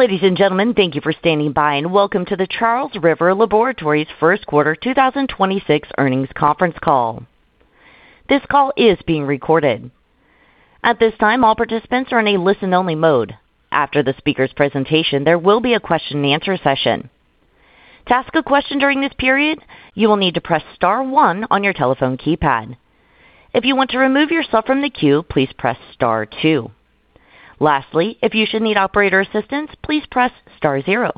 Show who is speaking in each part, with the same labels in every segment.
Speaker 1: Ladies and gentlemen, thank you for standing by and welcome to the Charles River Laboratories first quarter 2026 earnings conference call. This call is being recorded. At this time, all participants are in a listen-only mode. After the speaker's presentation, there will be a question-and-answer session. To ask a question during this period, you will need to press star one on your telephone keypad. If you want to remove yourself from the queue, please press star two. Lastly, if you should need operator assistance, please press star zero.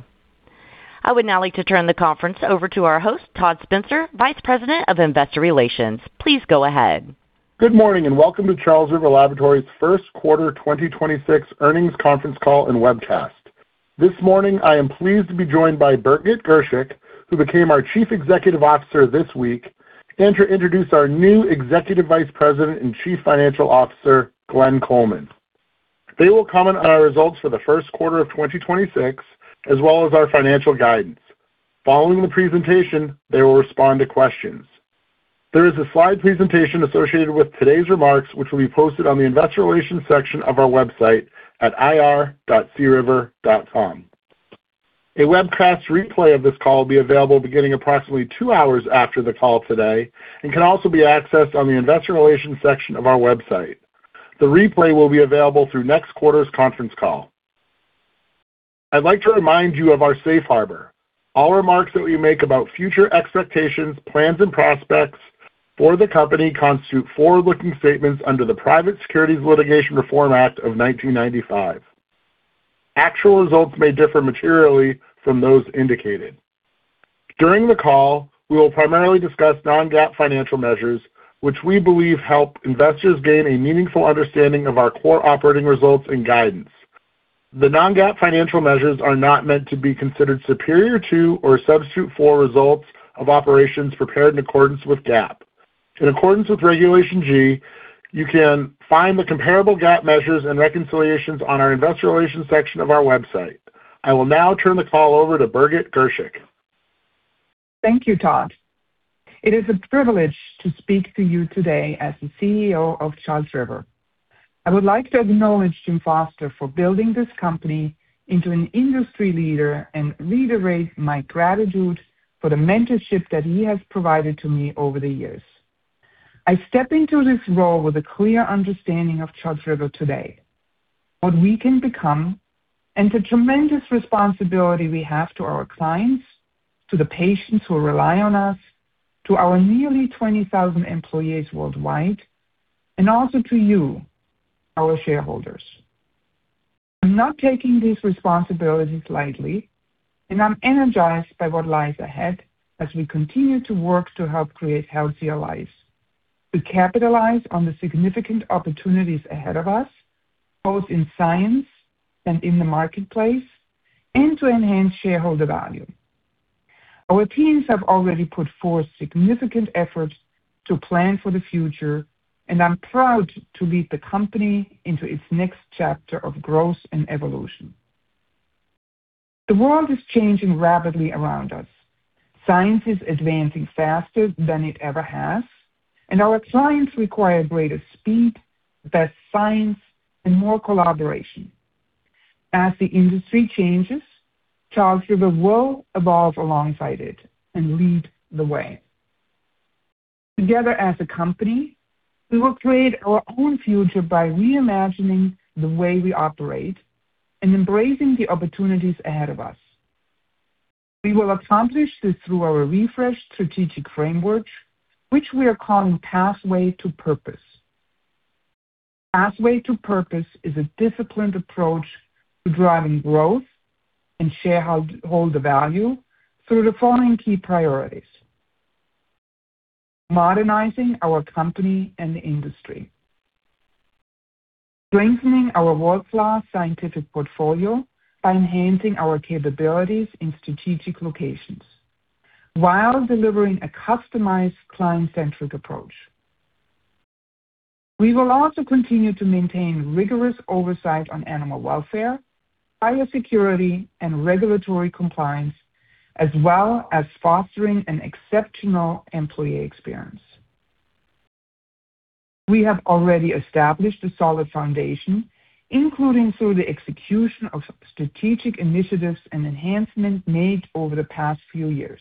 Speaker 1: I would now like to turn the conference over to our host, Todd Spencer, Vice President of Investor Relations. Please go ahead.
Speaker 2: Good morning and welcome to Charles River Laboratories first quarter 2026 earnings conference call and webcast. This morning, I am pleased to be joined by Birgit Girshick, who became our Chief Executive Officer this week, and to introduce our new Executive Vice President and Chief Financial Officer, Glenn Coleman. They will comment on our results for the first quarter of 2026, as well as our financial guidance. Following the presentation, they will respond to questions. There is a slide presentation associated with today's remarks, which will be posted on the Investor Relations section of our website at ir.criver.com. A webcast replay of this call will be available beginning approximately two hours after the call today and can also be accessed on the investor relations section of our website. The replay will be available through next quarter's conference call. I'd like to remind you of our safe harbor. All remarks that we make about future expectations, plans and prospects for the company constitute forward-looking statements under the Private Securities Litigation Reform Act of 1995. Actual results may differ materially from those indicated. During the call, we will primarily discuss non-GAAP financial measures, which we believe help investors gain a meaningful understanding of our core operating results and guidance. The non-GAAP financial measures are not meant to be considered superior to or substitute for results of operations prepared in accordance with GAAP. In accordance with Regulation G, you can find the comparable GAAP measures and reconciliations on our Investor Relations section of our website. I will now turn the call over to Birgit Girshick.
Speaker 3: Thank you, Todd. It is a privilege to speak to you today as the CEO of Charles River. I would like to acknowledge Jim Foster for building this company into an industry leader and reiterate my gratitude for the mentorship that he has provided to me over the years. I step into this role with a clear understanding of Charles River today, what we can become, and the tremendous responsibility we have to our clients, to the patients who rely on us, to our nearly 20,000 employees worldwide, and also to you, our shareholders. I'm not taking this responsibility slightly, and I'm energized by what lies ahead as we continue to work to help create healthier lives, to capitalize on the significant opportunities ahead of us, both in science and in the marketplace, and to enhance shareholder value. Our teams have already put forth significant efforts to plan for the future, and I'm proud to lead the company into its next chapter of growth and evolution. The world is changing rapidly around us. Science is advancing faster than it ever has, and our clients require greater speed, best science, and more collaboration. As the industry changes, Charles River will evolve alongside it and lead the way. Together as a company, we will create our own future by reimagining the way we operate and embracing the opportunities ahead of us. We will accomplish this through our refreshed strategic framework, which we are calling Pathway to Purpose. Pathway to Purpose is a disciplined approach to driving growth and shareholder value through the following key priorities. Modernizing our company and the industry. Strengthening our world-class scientific portfolio by enhancing our capabilities in strategic locations while delivering a customized client-centric approach. We will also continue to maintain rigorous oversight on animal welfare, higher security, and regulatory compliance, as well as fostering an exceptional employee experience. We have already established a solid foundation, including through the execution of strategic initiatives and enhancements made over the past few years.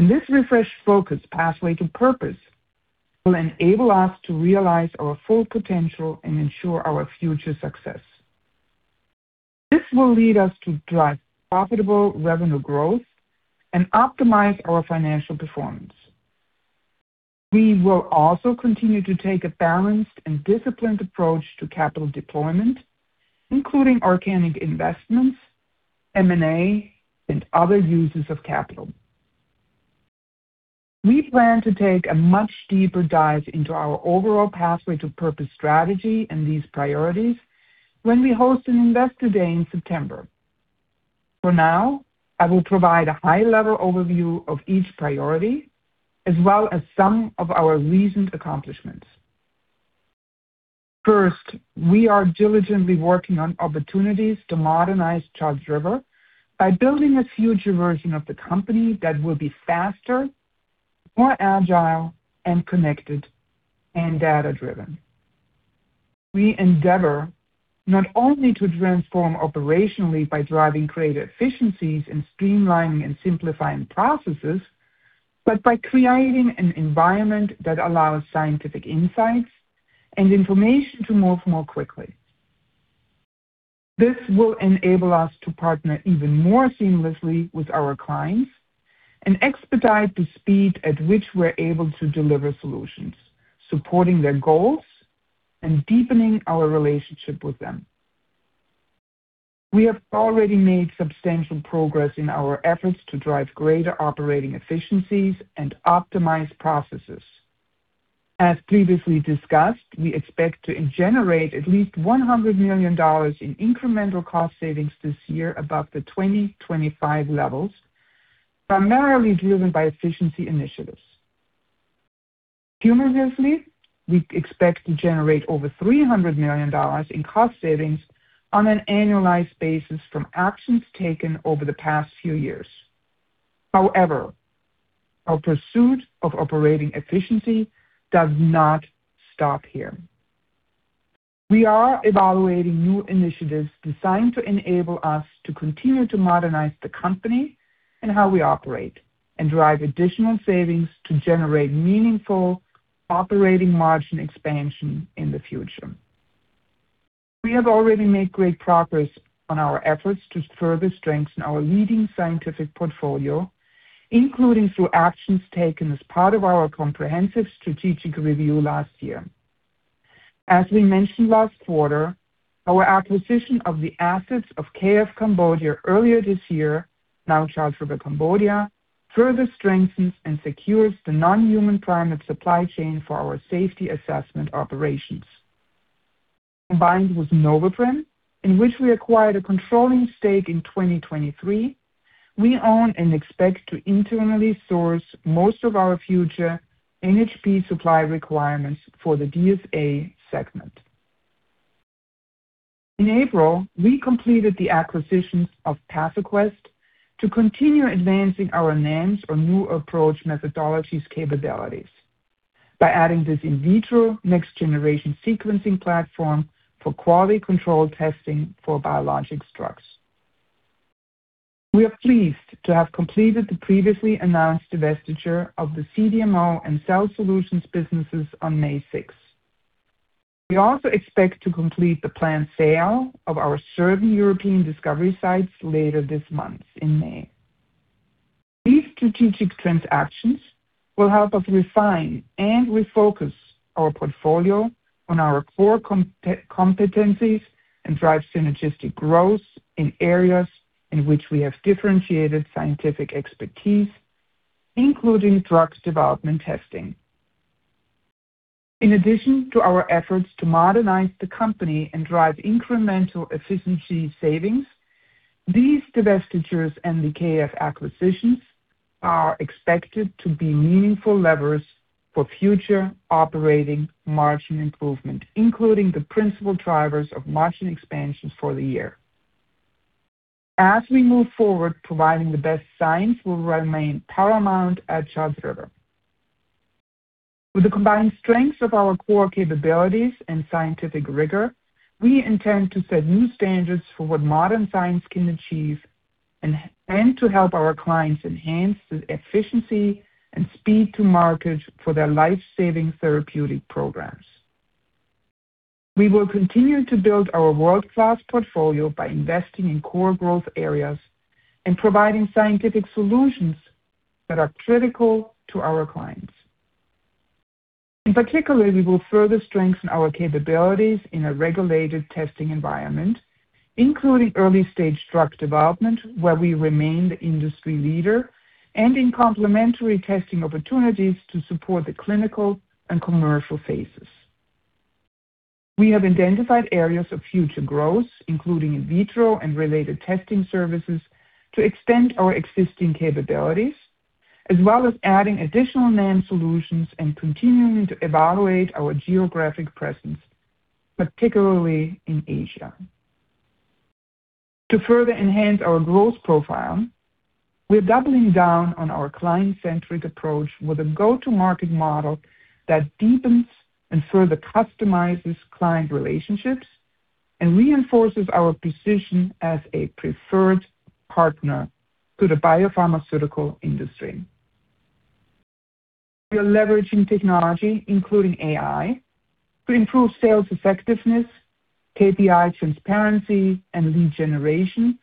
Speaker 3: This refreshed focus, Pathway to Purpose, will enable us to realize our full potential and ensure our future success. This will lead us to drive profitable revenue growth and optimize our financial performance. We will also continue to take a balanced and disciplined approach to capital deployment, including organic investments, M&A, and other uses of capital. We plan to take a much deeper dive into our overall Pathway to Purpose strategy and these priorities when we host an Investor Day in September. For now, I will provide a high-level overview of each priority as well as some of our recent accomplishments. First, we are diligently working on opportunities to modernize Charles River by building a future version of the company that will be faster, more agile and connected and data-driven. We endeavor not only to transform operationally by driving greater efficiencies and streamlining and simplifying processes, but by creating an environment that allows scientific insights and information to move more quickly. This will enable us to partner even more seamlessly with our clients and expedite the speed at which we're able to deliver solutions, supporting their goals and deepening our relationship with them. We have already made substantial progress in our efforts to drive greater operating efficiencies and optimize processes. As previously discussed, we expect to generate at least $100 million in incremental cost savings this year above the 2025 levels, primarily driven by efficiency initiatives. Cumulatively, we expect to generate over $300 million in cost savings on an annualized basis from actions taken over the past few years. However, our pursuit of operating efficiency does not stop here. We are evaluating new initiatives designed to enable us to continue to modernize the company and how we operate and drive additional savings to generate meaningful operating margin expansion in the future. We have already made great progress on our efforts to further strengthen our leading scientific portfolio, including through actions taken as part of our comprehensive strategic review last year. As we mentioned last quarter, our acquisition of the assets of K.F. Cambodia earlier this year, now Charles River Cambodia, further strengthens and secures the non-human primate supply chain for our safety assessment operations. Combined with Noveprim, in which we acquired a controlling stake in 2023, we own and expect to internally source most of our future NHP supply requirements for the DSA segment. In April, we completed the acquisition of PathoQuest to continue advancing our NAMs or New Approach Methodologies capabilities by adding this in vitro next generation sequencing platform for quality control testing for biologic drugs. We are pleased to have completed the previously announced divestiture of the CDMO and Cell Solutions businesses on May 6th. We also expect to complete the planned sale of our certain European discovery sites later this month, in May. These strategic transactions will help us refine and refocus our portfolio on our core competencies and drive synergistic growth in areas in which we have differentiated scientific expertise, including drugs development testing. In addition to our efforts to modernize the company and drive incremental efficiency savings, these divestitures and the K.F. acquisitions are expected to be meaningful levers for future operating margin improvement, including the principal drivers of margin expansion for the year. As we move forward, providing the best science will remain paramount at Charles River. With the combined strengths of our core capabilities and scientific rigor, we intend to set new standards for what modern science can achieve and to help our clients enhance the efficiency and speed to market for their life-saving therapeutic programs. We will continue to build our world-class portfolio by investing in core growth areas and providing scientific solutions that are critical to our clients. In particular, we will further strengthen our capabilities in a regulated testing environment, including early-stage drug development, where we remain the industry leader, and in complementary testing opportunities to support the clinical and commercial phases. We have identified areas of future growth, including in vitro and related testing services, to extend our existing capabilities, as well as adding additional NAM solutions and continuing to evaluate our geographic presence, particularly in Asia. To further enhance our growth profile, we're doubling down on our client-centric approach with a go-to-market model that deepens and further customizes client relationships and reinforces our position as a preferred partner to the biopharmaceutical industry. We are leveraging technology, including AI, to improve sales effectiveness, KPI transparency, and lead generation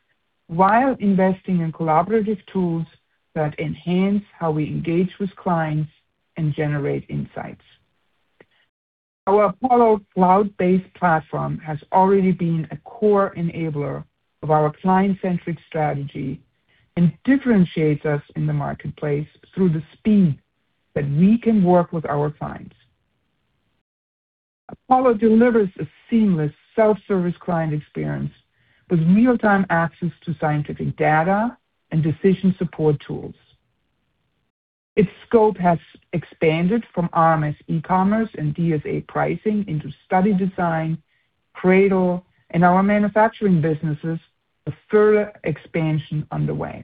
Speaker 3: while investing in collaborative tools that enhance how we engage with clients and generate insights. Our Apollo cloud-based platform has already been a core enabler of our client-centric strategy and differentiates us in the marketplace through the speed that we can work with our clients. Apollo delivers a seamless self-service client experience with real-time access to scientific data and decision support tools. Its scope has expanded from RMS e-commerce and DSA pricing into study design, CRADL, and our Manufacturing businesses with further expansion underway.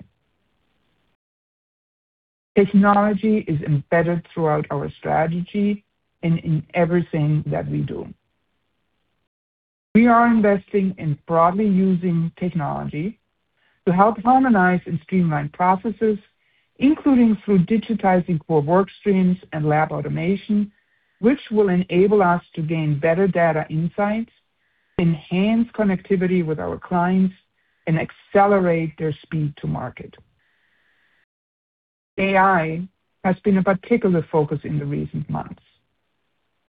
Speaker 3: Technology is embedded throughout our strategy and in everything that we do. We are investing in broadly using technology to help harmonize and streamline processes, including through digitizing core work streams and lab automation, which will enable us to gain better data insights, enhance connectivity with our clients, and accelerate their speed to market. AI has been a particular focus in the recent months.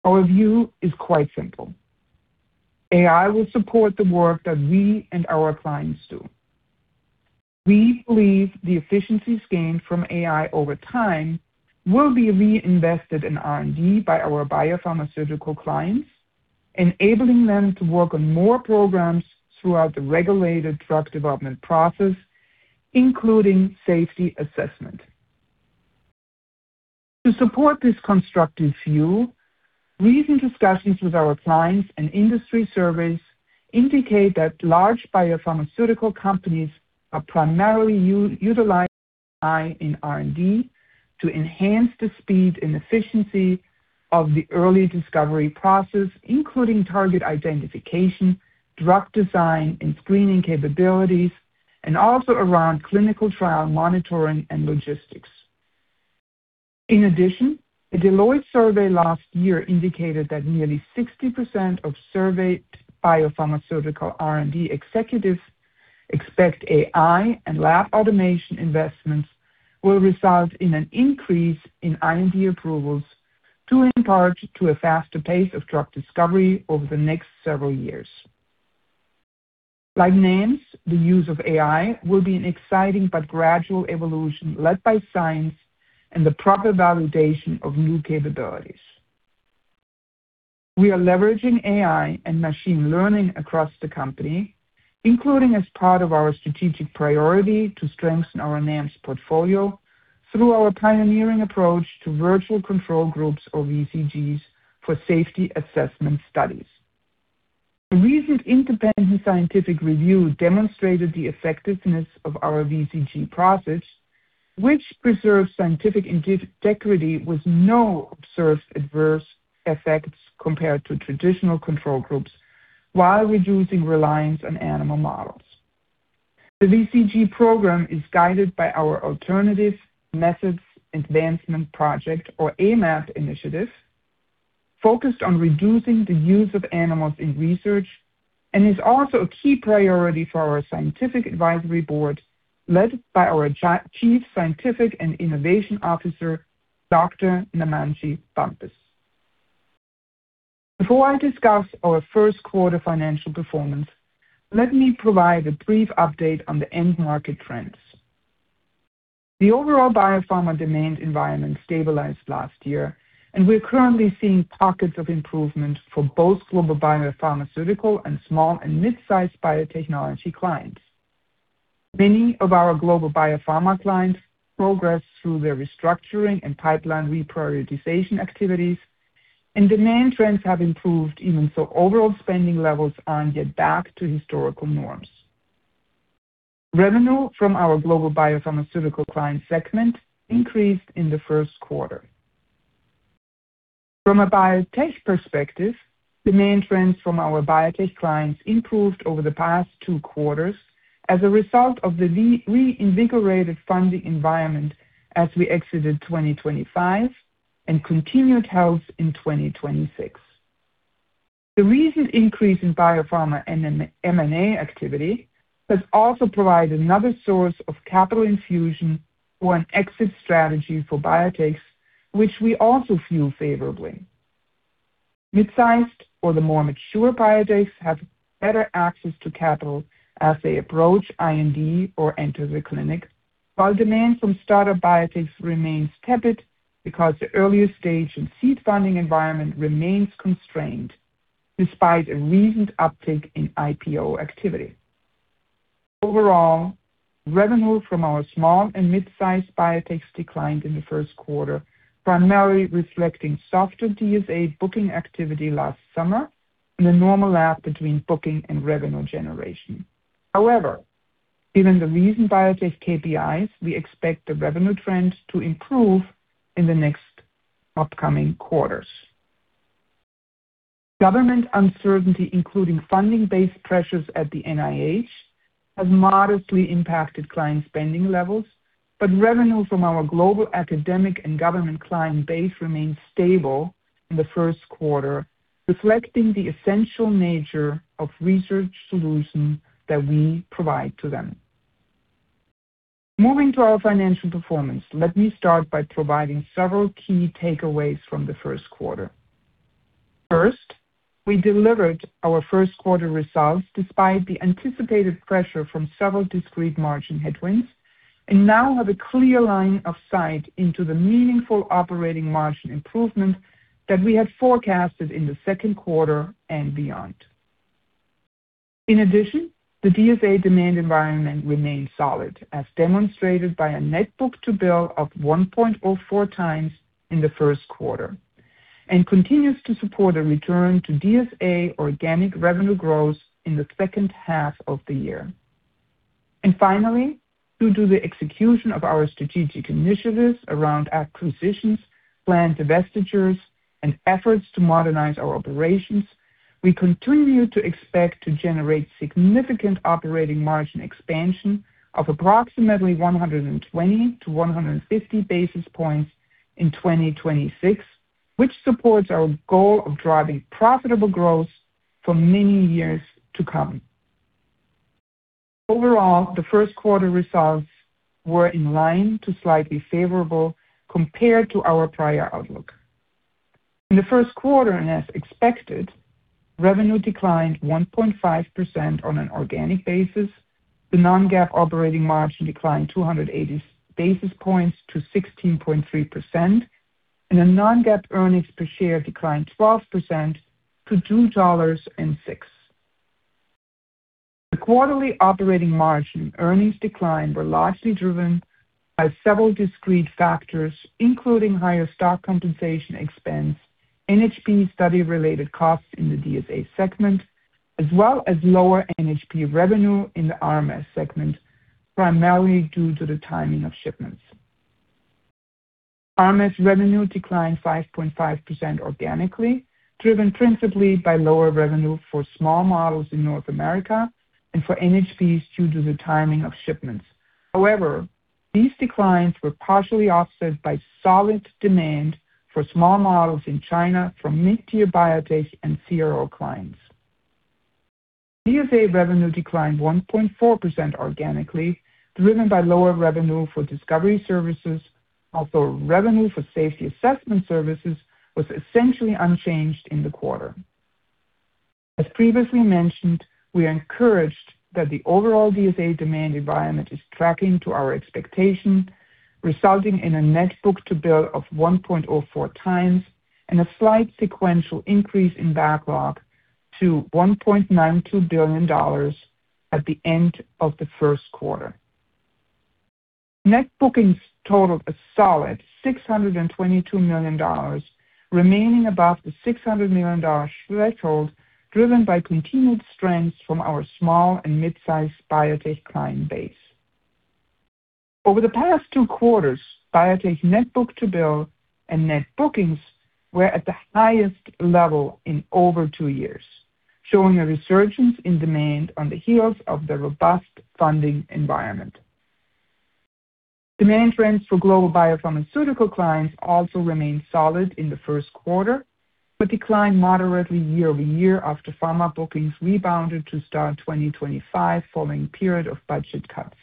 Speaker 3: Our view is quite simple. AI will support the work that we and our clients do. We believe the efficiencies gained from AI over time will be reinvested in R&D by our biopharmaceutical clients, enabling them to work on more programs throughout the regulated drug development process, including safety assessment. To support this constructive view, recent discussions with our clients and industry surveys indicate that large biopharmaceutical companies are primarily utilizing AI in R&D to enhance the speed and efficiency of the early discovery process, including target identification, drug design and screening capabilities, and also around clinical trial monitoring and logistics. In addition, a Deloitte survey last year indicated that nearly 60% of surveyed biopharmaceutical R&D executives expect AI and lab automation investments will result in an increase in R&D approvals, due in part to a faster pace of drug discovery over the next several years. Like NAMs, the use of AI will be an exciting but gradual evolution led by science and the proper validation of new capabilities. We are leveraging AI and machine learning across the company, including as part of our strategic priority to strengthen our enhanced portfolio through our pioneering approach to Virtual Control Groups or VCGs for safety assessment studies. A recent independent scientific review demonstrated the effectiveness of our VCG process, which preserves scientific integrity with no observed adverse effects compared to traditional control groups while reducing reliance on animal models. The VCG program is guided by our Alternative Methods Advancement Project, or AMAP initiative, focused on reducing the use of animals in research, and is also a key priority for Scientific Advisory Board, led by our Chief Scientific & Innovation Officer, Dr. Namandjé Bumpus. Before I discuss our first quarter financial performance, let me provide a brief update on the end market trends. The overall biopharma demand environment stabilized last year, and we're currently seeing pockets of improvement for both global biopharmaceutical and small and mid-sized biotechnology clients. Many of our global biopharma clients progress through their restructuring and pipeline reprioritization activities, and demand trends have improved even so overall spending levels aren't yet back to historical norms. Revenue from our global biopharmaceutical client segment increased in the first quarter. From a biotech perspective, demand trends from our biotech clients improved over the past two quarters as a result of the reinvigorated funding environment as we exited 2025 and continued health in 2026. The recent increase in biopharma and M&A activity has also provided another source of capital infusion for an exit strategy for biotechs, which we also view favorably. Mid-sized or the more mature biotechs have better access to capital as they approach IND or enter the clinic, while demand from startup biotechs remains tepid because the earlier stage and seed funding environment remains constrained despite a recent uptick in IPO activity. Overall, revenue from our small and mid-sized biotechs declined in the first quarter, primarily reflecting softer DSA booking activity last summer and the normal lag between booking and revenue generation. However, given the recent biotech KPIs, we expect the revenue trends to improve in the next upcoming quarters. Government uncertainty, including funding-based pressures at the NIH, has modestly impacted client spending levels, but revenue from our global academic and government client base remains stable in the first quarter, reflecting the essential nature of research solutions that we provide to them. Moving to our financial performance, let me start by providing several key takeaways from the first quarter. First, we delivered our first quarter results despite the anticipated pressure from several discrete margin headwinds and now have a clear line of sight into the meaningful operating margin improvement that we had forecasted in the second quarter and beyond. In addition, the DSA demand environment remains solid, as demonstrated by a net book to bill of 1.04x in the first quarter. Continues to support a return to DSA organic revenue growth in the second half of the year. Finally, due to the execution of our strategic initiatives around acquisitions, planned divestitures, and efforts to modernize our operations, we continue to expect to generate significant operating margin expansion of approximately 120 basis points-150 basis points in 2026, which supports our goal of driving profitable growth for many years to come. Overall, the first quarter results were in line to slightly favorable compared to our prior outlook. In the first quarter, and as expected, revenue declined 1.5% on an organic basis. The non-GAAP operating margin declined 280 basis points to 16.3%, and a non-GAAP earnings per share declined 12% to $2.06. The quarterly operating margin earnings decline were largely driven by several discrete factors, including higher stock compensation expense, NHP study-related costs in the DSA segment, as well as lower NHP revenue in the RMS segment, primarily due to the timing of shipments. RMS revenue declined 5.5% organically, driven principally by lower revenue for small models in North America and for NHPs due to the timing of shipments. However, these declines were partially offset by solid demand for small models in China from mid-tier biotech and CRO clients. DSA revenue declined 1.4% organically, driven by lower revenue for discovery services, although revenue for safety assessment services was essentially unchanged in the quarter. As previously mentioned, we are encouraged that the overall DSA demand environment is tracking to our expectation, resulting in a net book-to-bill of 1.04x and a slight sequential increase in backlog to $1.92 billion at the end of the first quarter. Net bookings totaled a solid $622 million, remaining above the $600 million threshold, driven by continued strength from our small and mid-sized biotech client base. Over the past two quarters, biotech net book-to-bill and net bookings were at the highest level in over two years, showing a resurgence in demand on the heels of the robust funding environment. Demand trends for global biopharmaceutical clients also remained solid in the first quarter, but declined moderately year-over-year after pharma bookings rebounded to start 2025 following period of budget cuts.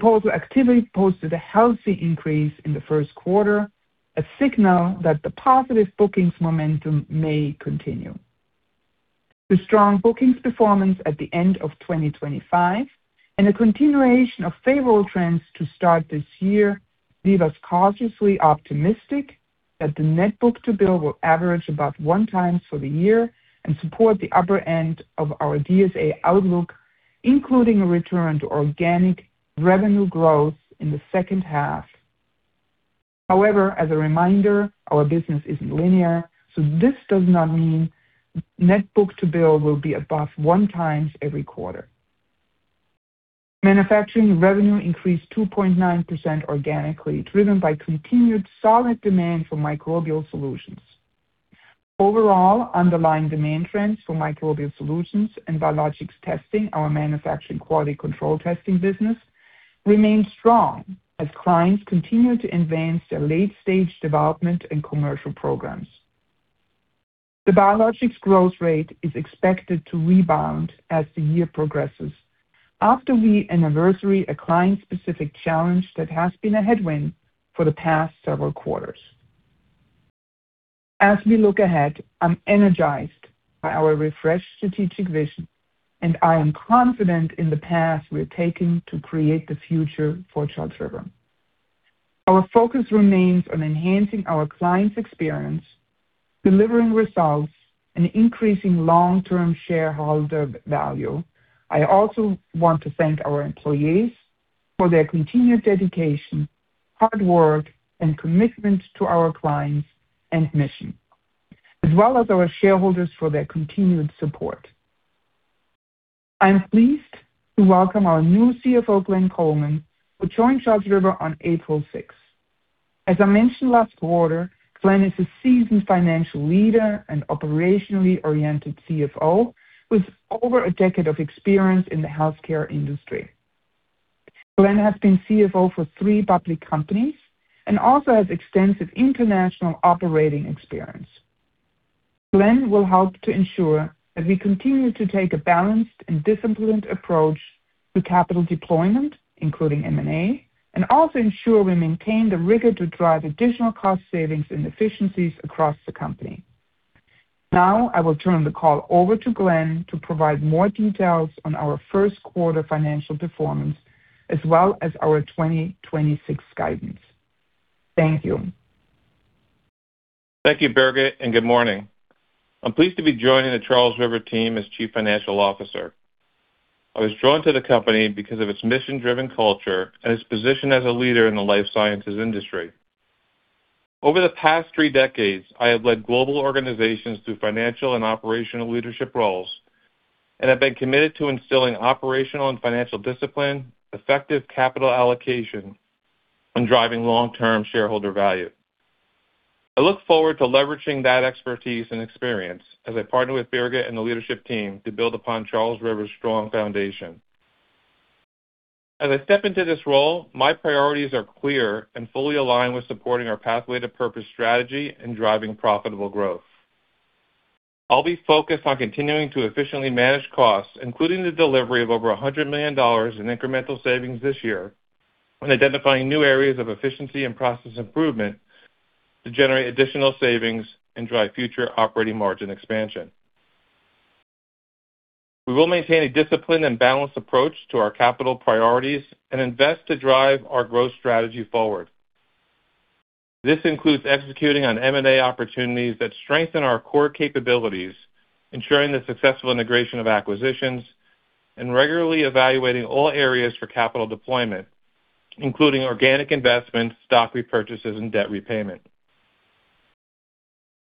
Speaker 3: Proposal activity posted a healthy increase in the first quarter, a signal that the positive bookings momentum may continue. The strong bookings performance at the end of 2025 and a continuation of favorable trends to start this year leave us cautiously optimistic that the net book-to-bill will average about 1x for the year and support the upper end of our DSA outlook, including a return to organic revenue growth in the second half. As a reminder, our business isn't linear, so this does not mean net book-to-bill will be above 1x every quarter. Manufacturing revenue increased 2.9% organically, driven by continued solid demand for Microbial Solutions. Overall, underlying demand trends for Microbial Solutions and biologics testing, our Manufacturing quality control testing business, remain strong as clients continue to advance their late-stage development and commercial programs. The biologics growth rate is expected to rebound as the year progresses after we anniversary a client-specific challenge that has been a headwind for the past several quarters. We look ahead, I'm energized by our refreshed strategic vision, and I am confident in the path we are taking to create the future for Charles River. Our focus remains on enhancing our client's experience, delivering results, and increasing long-term shareholder value. I also want to thank our employees for their continued dedication, hard work, and commitment to our clients and mission, as well as our shareholders for their continued support. I am pleased to welcome our new CFO, Glenn Coleman, who joined Charles River on April 6. As I mentioned last quarter, Glenn is a seasoned financial leader and operationally-oriented CFO with over a decade of experience in the healthcare industry. Glenn has been CFO for three public companies and also has extensive international operating experience. Glenn will help to ensure that we continue to take a balanced and disciplined approach to capital deployment, including M&A, and also ensure we maintain the rigor to drive additional cost savings and efficiencies across the company. I will turn the call over to Glenn to provide more details on our first quarter financial performance as well as our 2026 guidance. Thank you.
Speaker 4: Thank you, Birgit, and good morning. I'm pleased to be joining the Charles River team as Chief Financial Officer. I was drawn to the company because of its mission-driven culture and its position as a leader in the life sciences industry. Over the past three decades, I have led global organizations through financial and operational leadership roles and have been committed to instilling operational and financial discipline, effective capital allocation, and driving long-term shareholder value. I look forward to leveraging that expertise and experience as I partner with Birgit and the leadership team to build upon Charles River's strong foundation. As I step into this role, my priorities are clear and fully aligned with supporting our Pathway to Purpose strategy and driving profitable growth. I'll be focused on continuing to efficiently manage costs, including the delivery of over $100 million in incremental savings this year, and identifying new areas of efficiency and process improvement to generate additional savings and drive future operating margin expansion. We will maintain a disciplined and balanced approach to our capital priorities and invest to drive our growth strategy forward. This includes executing on M&A opportunities that strengthen our core capabilities, ensuring the successful integration of acquisitions, and regularly evaluating all areas for capital deployment, including organic investments, stock repurchases, and debt repayment.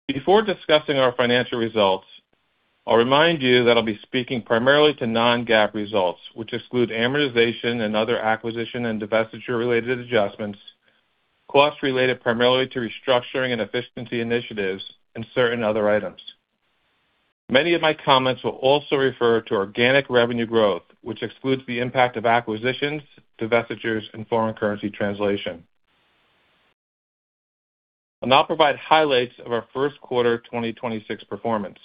Speaker 4: Before discussing our financial results, I'll remind you that I'll be speaking primarily to non-GAAP results, which exclude amortization and other acquisition and divestiture-related adjustments, costs related primarily to restructuring and efficiency initiatives, and certain other items. Many of my comments will also refer to organic revenue growth, which excludes the impact of acquisitions, divestitures, and foreign currency translation. I'll now provide highlights of our first quarter 2026 performance.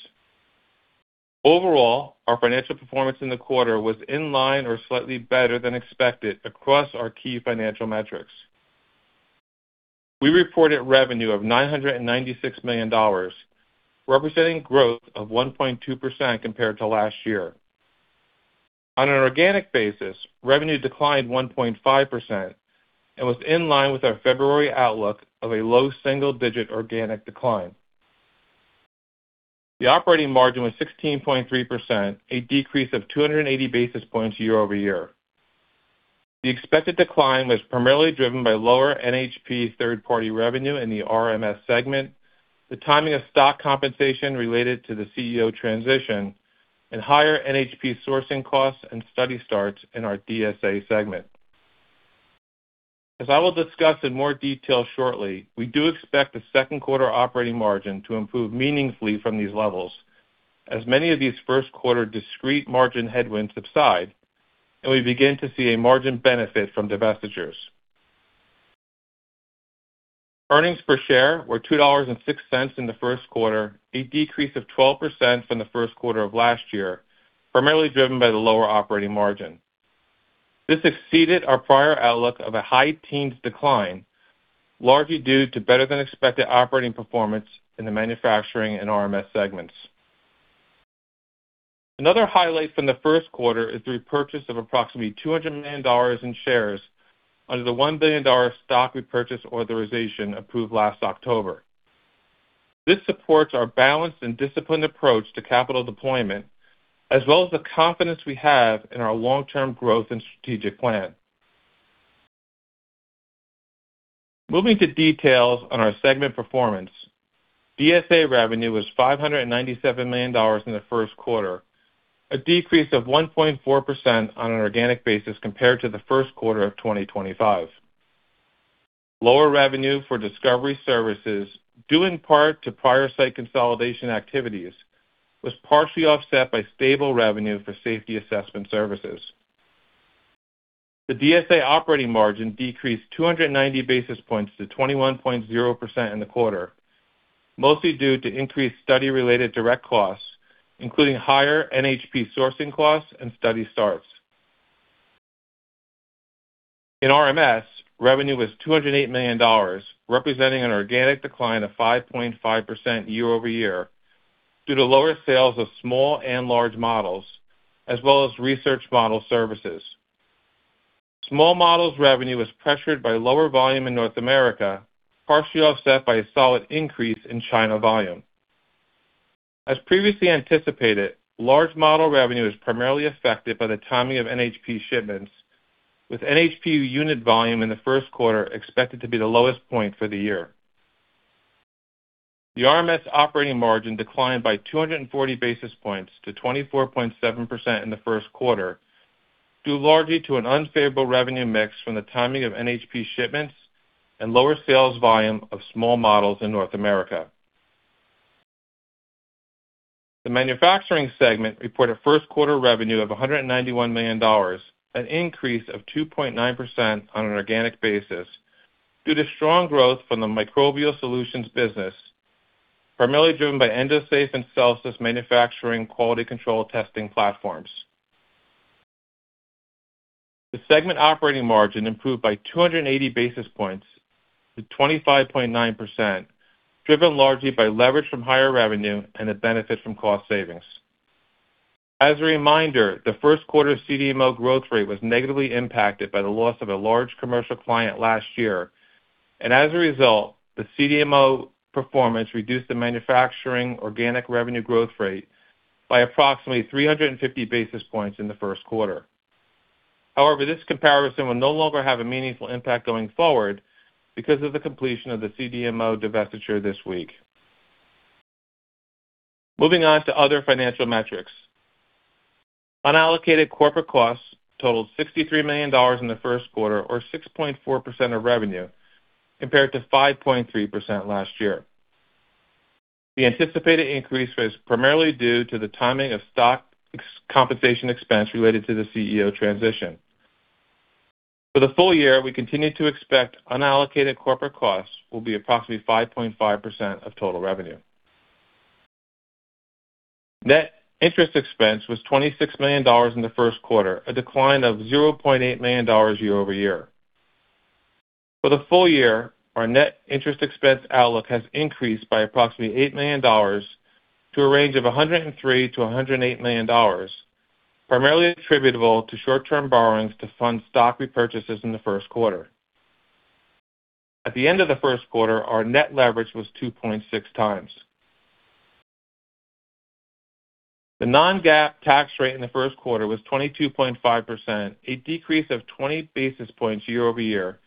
Speaker 4: Overall, our financial performance in the quarter was in line or slightly better than expected across our key financial metrics. We reported revenue of $996 million, representing growth of 1.2% compared to last year. On an organic basis, revenue declined 1.5% and was in line with our February outlook of a low single-digit organic decline. The operating margin was 16.3%, a decrease of 280 basis points year-over-year. The expected decline was primarily driven by lower NHP third-party revenue in the RMS segment, the timing of stock compensation related to the CEO transition, and higher NHP sourcing costs and study starts in our DSA segment. As I will discuss in more detail shortly, we do expect the second quarter operating margin to improve meaningfully from these levels as many of these first quarter discrete margin headwinds subside and we begin to see a margin benefit from divestitures. Earnings per share were $2.06 in the first quarter, a decrease of 12% from the first quarter of last year, primarily driven by the lower operating margin. This exceeded our prior outlook of a high teens decline, largely due to better-than-expected operating performance in the Manufacturing and RMS segments. Another highlight from the first quarter is the repurchase of approximately $200 million in shares under the $1 billion stock repurchase authorization approved last October. This supports our balanced and disciplined approach to capital deployment as well as the confidence we have in our long-term growth and strategic plan. Moving to details on our segment performance. DSA revenue was $597 million in the first quarter, a decrease of 1.4% on an organic basis compared to the first quarter of 2025. Lower revenue for discovery services, due in part to prior site consolidation activities, was partially offset by stable revenue for safety assessment services. The DSA operating margin decreased 290 basis points to 21.0% in the quarter, mostly due to increased study-related direct costs, including higher NHP sourcing costs and study starts. In RMS, revenue was $208 million, representing an organic decline of 5.5% year-over-year due to lower sales of small and large models as well as research model services. Small models revenue was pressured by lower volume in North America, partially offset by a solid increase in China volume. As previously anticipated, large model revenue is primarily affected by the timing of NHP shipments, with NHP unit volume in the first quarter expected to be the lowest point for the year. The RMS operating margin declined by 240 basis points to 24.7% in the first quarter, due largely to an unfavorable revenue mix from the timing of NHP shipments and lower sales volume of small models in North America. The Manufacturing segment reported first quarter revenue of $191 million, an increase of 2.9% on an organic basis due to strong growth from the Microbial Solutions business, primarily driven by Endosafe and Celsis Manufacturing quality control testing platforms. The segment operating margin improved by 280 basis points to 25.9%, driven largely by leverage from higher revenue and the benefit from cost savings. As a reminder, the first quarter CDMO growth rate was negatively impacted by the loss of a large commercial client last year. As a result, the CDMO performance reduced the Manufacturing organic revenue growth rate by approximately 350 basis points in the first quarter. However, this comparison will no longer have a meaningful impact going forward because of the completion of the CDMO divestiture this week. Moving on to other financial metrics. Unallocated corporate costs totaled $63 million in the first quarter or 6.4% of revenue, compared to 5.3% last year. The anticipated increase was primarily due to the timing of stock compensation expense related to the CEO transition. For the full year, we continue to expect unallocated corporate costs will be approximately 5.5% of total revenue. Net interest expense was $26 million in the first quarter, a decline of $0.8 million year-over-year. For the full year, our net interest expense outlook has increased by approximately $8 million to a range of $103 million-$108 million, primarily attributable to short-term borrowings to fund stock repurchases in the first quarter. At the end of the first quarter, our net leverage was 2.6x. The non-GAAP tax rate in the first quarter was 22.5%, a decrease of 20 basis points year-over-year,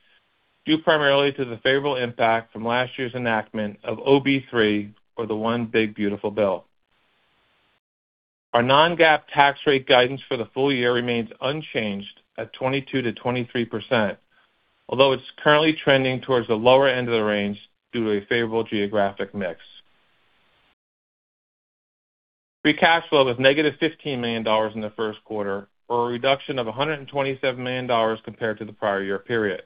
Speaker 4: due primarily to the favorable impact from last year's enactment of OB3 or the One Big Beautiful Bill. Our non-GAAP tax rate guidance for the full year remains unchanged at 22%-23%, although it's currently trending towards the lower end of the range due to a favorable geographic mix. Free cash flow was -$15 million in the first quarter or a reduction of $127 million compared to the prior year period.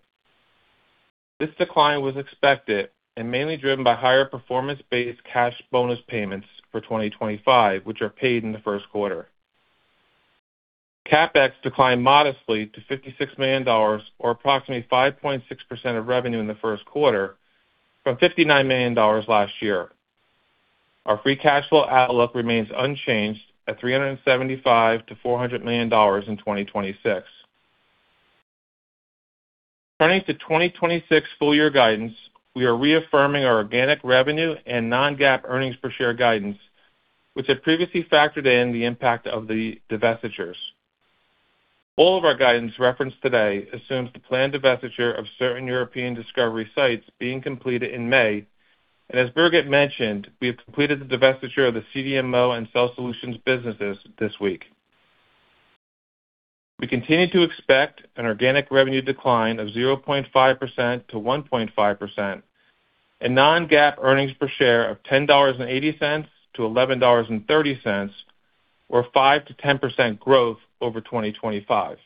Speaker 4: This decline was expected and mainly driven by higher performance-based cash bonus payments for 2025, which are paid in the first quarter. CapEx declined modestly to $56 million or approximately 5.6% of revenue in the first quarter from $59 million last year. Our free cash flow outlook remains unchanged at $375 million-$400 million in 2026. Turning to 2026 full year guidance, we are reaffirming our organic revenue and non-GAAP earnings per share guidance, which had previously factored in the impact of the divestitures. All of our guidance referenced today assumes the planned divestiture of certain European discovery sites being completed in May. As Birgit mentioned, we have completed the divestiture of the CDMO and Cell Solutions businesses this week. We continue to expect an organic revenue decline of 0.5%-1.5% and non-GAAP earnings per share of $10.80-$11.30 or 5%-10% growth over 2025.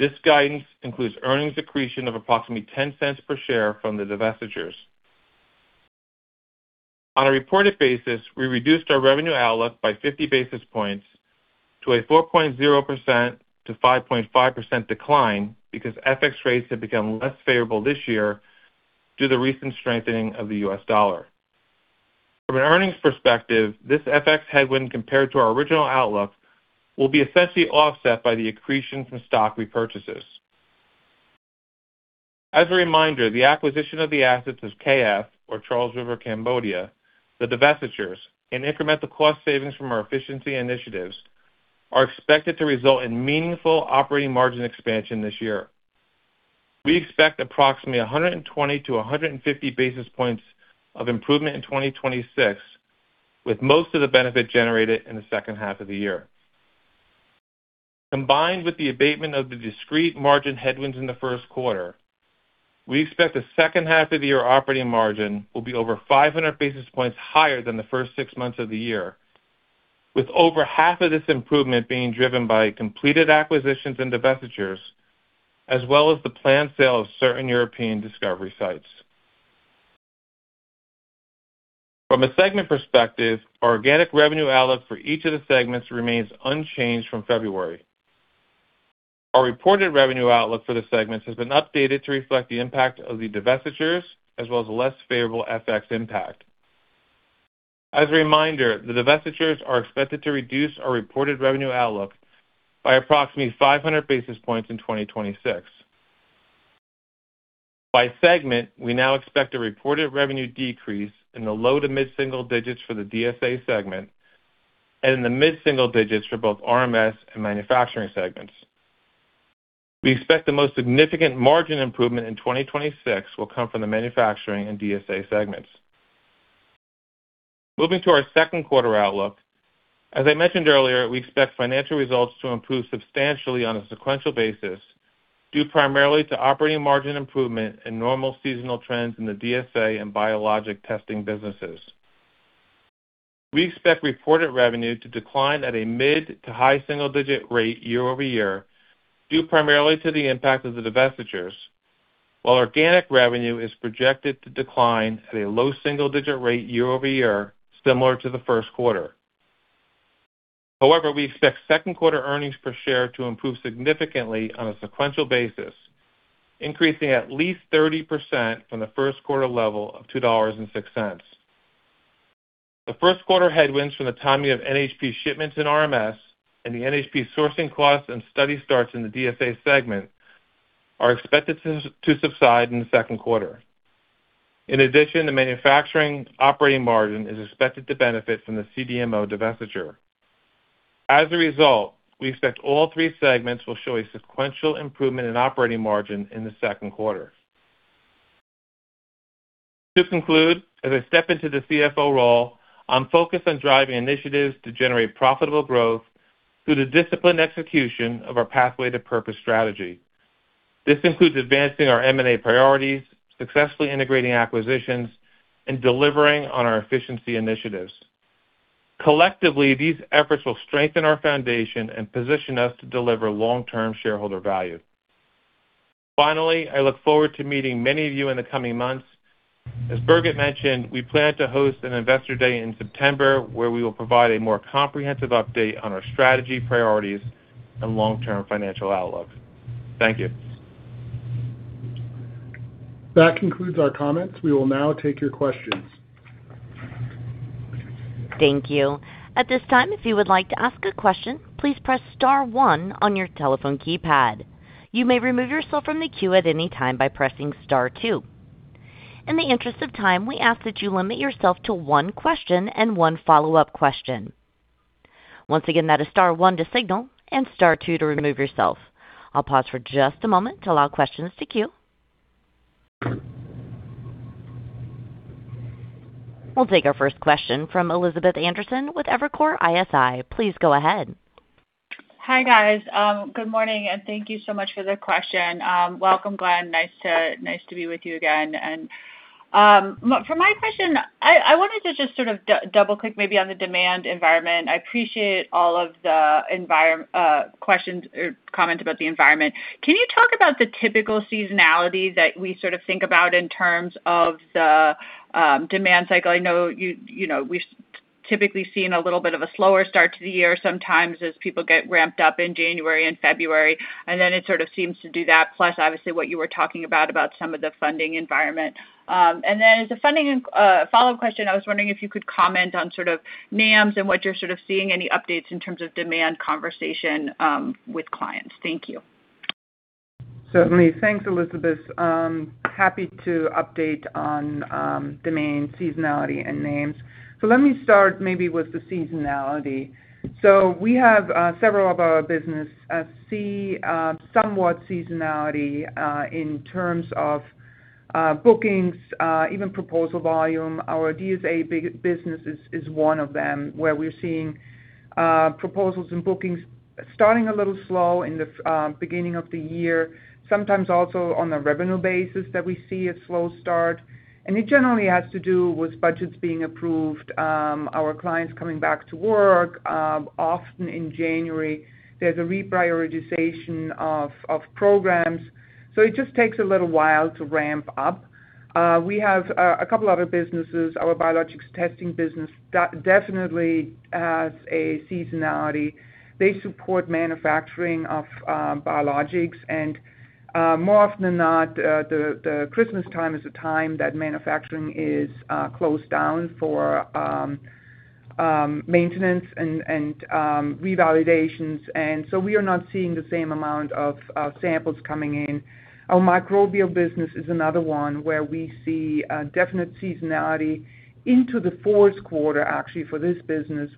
Speaker 4: This guidance includes earnings accretion of approximately $0.10 per share from the divestitures. On a reported basis, we reduced our revenue outlook by 50 basis points to a 4.0%-5.5% decline because FX rates have become less favorable this year due to the recent strengthening of the U.S. dollar. From an earnings perspective, this FX headwind compared to our original outlook will be essentially offset by the accretion from stock repurchases. As a reminder, the acquisition of the assets of K.F. or Charles River Cambodia, the divestitures and incremental cost savings from our efficiency initiatives are expected to result in meaningful operating margin expansion this year. We expect approximately 120 basis points-150 basis points of improvement in 2026, with most of the benefit generated in the second half of the year. Combined with the abatement of the discrete margin headwinds in the first quarter, we expect the second half of the year operating margin will be over 500 basis points higher than the first six months of the year, with over half of this improvement being driven by completed acquisitions and divestitures, as well as the planned sale of certain European discovery sites. On the segment perspective, our organic revenue outlook for each of the segments remains unchanged from February. Our reported revenue outlook for the segments has been updated to reflect the impact of the divestitures as well as less favorable FX impact. As a reminder, the divestitures are expected to reduce our reported revenue outlook by approximately 500 basis points in 2026. By segment, we now expect a reported revenue decrease in the low to mid-single digits for the DSA segment and in the mid-single digits for both RMS and Manufacturing segments. We expect the most significant margin improvement in 2026 will come from the Manufacturing and DSA segments. Moving to our second quarter outlook, as I mentioned earlier, we expect financial results to improve substantially on a sequential basis due primarily to operating margin improvement and normal seasonal trends in the DSA and biologic testing businesses. We expect reported revenue to decline at a mid to high single-digit rate year-over-year, due primarily to the impact of the divestitures. Organic revenue is projected to decline at a low single-digit rate year-over-year, similar to the first quarter. We expect second quarter earnings per share to improve significantly on a sequential basis, increasing at least 30% from the first quarter level of $2.06. The first quarter headwinds from the timing of NHP shipments in RMS and the NHP sourcing costs and study starts in the DSA segment are expected to subside in the second quarter. The Manufacturing operating margin is expected to benefit from the CDMO divestiture. We expect all three segments will show a sequential improvement in operating margin in the second quarter. As I step into the CFO role, I'm focused on driving initiatives to generate profitable growth through the disciplined execution of our Pathway to Purpose strategy. This includes advancing our M&A priorities, successfully integrating acquisitions, and delivering on our efficiency initiatives. Collectively, these efforts will strengthen our foundation and position us to deliver long-term shareholder value. Finally, I look forward to meeting many of you in the coming months. As Birgit mentioned, we plan to host an Investor Day in September, where we will provide a more comprehensive update on our strategy, priorities, and long-term financial outlook. Thank you.
Speaker 2: That concludes our comments. We will now take your questions.
Speaker 1: Thank you. At this time, if you would like to ask a question, please press star one on your telephone keypad. You may remove yourself from the queue at any time by pressing star two. In the interest of time, we ask that you limit yourself to one question and one follow-up question. Once again, that is star one to signal and star two to remove yourself. I'll pause for just a moment to allow questions to queue. We'll take our first question from Elizabeth Anderson with Evercore ISI. Please go ahead.
Speaker 5: Hi, guys. Good morning, and thank you so much for the question. Welcome, Glenn. Nice to be with you again. For my question, I wanted to just sort of double-click maybe on the demand environment. I appreciate all of the questions or comments about the environment. Can you talk about the typical seasonality that we sort of think about in terms of the demand cycle? I know you know, we've typically seen a little bit of a slower start to the year sometimes as people get ramped up in January and February, and then it sort of seems to do that, plus obviously what you were talking about some of the funding environment. Then as a funding and follow-up question, I was wondering if you could comment on sort of NAMs and what you're sort of seeing any updates in terms of demand conversation with clients. Thank you.
Speaker 3: Certainly. Thanks, Elizabeth. Happy to update on demand seasonality and NAMs. Let me start maybe with the seasonality. We have several of our business see somewhat seasonality in terms of bookings, even proposal volume. Our DSA business is one of them, where we're seeing proposals and bookings starting a little slow in the beginning of the year, sometimes also on a revenue basis that we see a slow start. It generally has to do with budgets being approved, our clients coming back to work. Often in January, there's a reprioritization of programs, so it just takes a little while to ramp up. We have a couple other businesses. Our biologics testing business definitely has a seasonality. They support manufacturing of biologics, more often than not, the [Christmastime] is a time that manufacturing is closed down for maintenance and revalidations. We are not seeing the same amount of samples coming in. Our Microbial business is another one where we see definite seasonality into the fourth quarter, actually, for this business,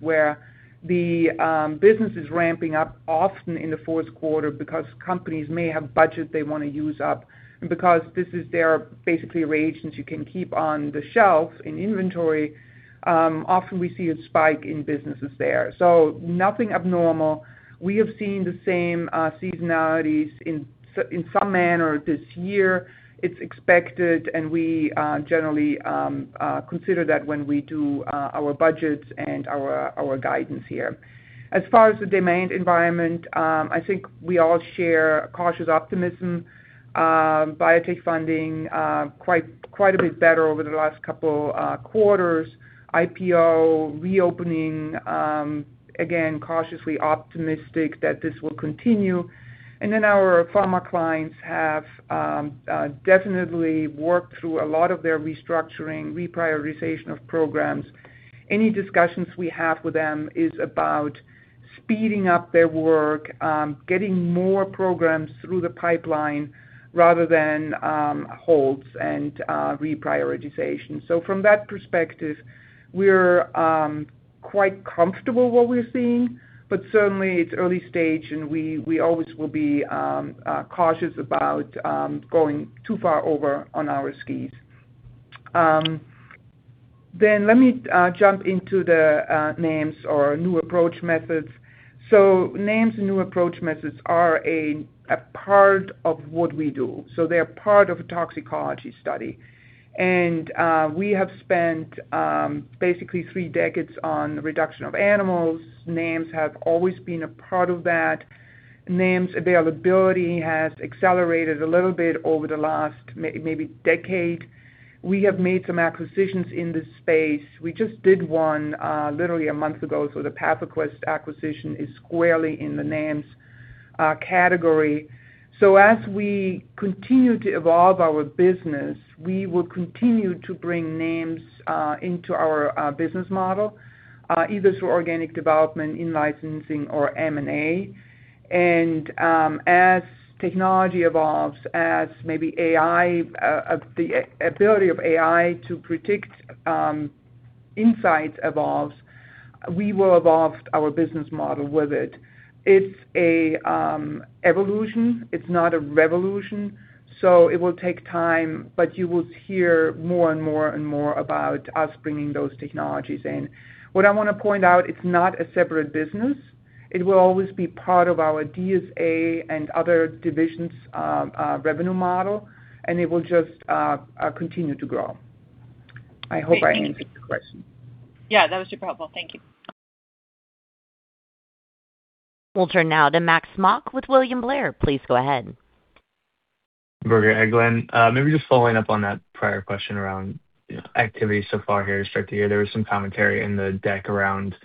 Speaker 3: where the business is ramping up often in the fourth quarter because companies may have budget they wanna use up. This is their basically reagents you can keep on the shelf in inventory, often we see a spike in businesses there. Nothing abnormal. We have seen the same seasonalities in some manner this year. It's expected, and we generally consider that when we do our budgets and our guidance here. As far as the demand environment, I think we all share cautious optimism. Biotech funding, quite a bit better over the last couple quarters. IPO reopening, again, cautiously optimistic that this will continue. Our pharma clients have definitely worked through a lot of their restructuring, reprioritization of programs. Any discussions we have with them is about speeding up their work, getting more programs through the pipeline rather than holds and reprioritization. From that perspective, we're quite comfortable what we're seeing, but certainly it's early stage, and we always will be cautious about going too far over on our skis. Let me jump into the NAMs or New Approach Methods. NAMs and New Approach Methods are a part of what we do, so they're part of a toxicology study. We have spent basically three decades on reduction of animals. NAMs have always been a part of that. NAMs availability has accelerated a little bit over the last maybe decade. We have made some acquisitions in this space. We just did one literally a month ago, so the PathoQuest acquisition is squarely in the NAMs category. As we continue to evolve our business, we will continue to bring NAMs into our business model either through organic development, in-licensing or M&A. As technology evolves, as maybe AI, the ability of AI to predict insights evolves, we will evolve our business model with it. It's a evolution, it's not a revolution, so it will take time, but you will hear more and more and more about us bringing those technologies in. What I wanna point out, it's not a separate business. It will always be part of our DSA and other divisions' revenue model, and it will just continue to grow. I hope I answered your question.
Speaker 5: That was super helpful. Thank you.
Speaker 1: We'll turn now to Max Smock with William Blair. Please go ahead.
Speaker 6: Birgit, hey, Glenn. maybe just following up on that prior question around, you know, activity so far here to start the year. There was some commentary in the deck around,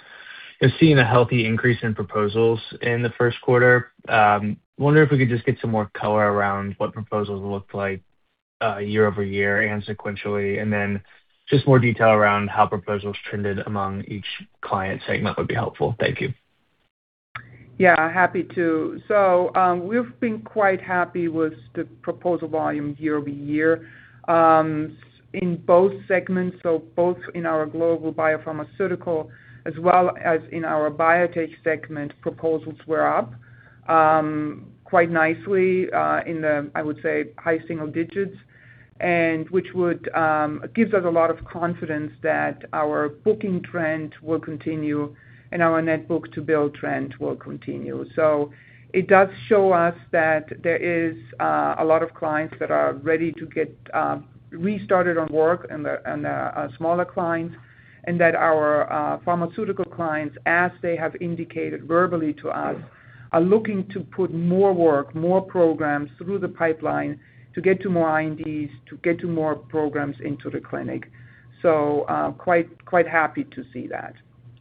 Speaker 6: you know, seeing a healthy increase in proposals in the first quarter. wondering if we could just get some more color around what proposals looked like, year-over-year and sequentially. Then just more detail around how proposals trended among each client segment would be helpful. Thank you.
Speaker 3: Yeah, happy to. We've been quite happy with the proposal volume year-over-year. In both segments, so both in our global biopharmaceutical as well as in our biotech segment, proposals were up quite nicely in the, I would say, high single digits. Which would gives us a lot of confidence that our booking trend will continue and our net book-to-bill trend will continue. It does show us that there is a lot of clients that are ready to get restarted on work and the, and smaller clients. That our pharmaceutical clients, as they have indicated verbally to us, are looking to put more work, more programs through the pipeline to get to more INDs, to get to more programs into the clinic. Quite happy to see that.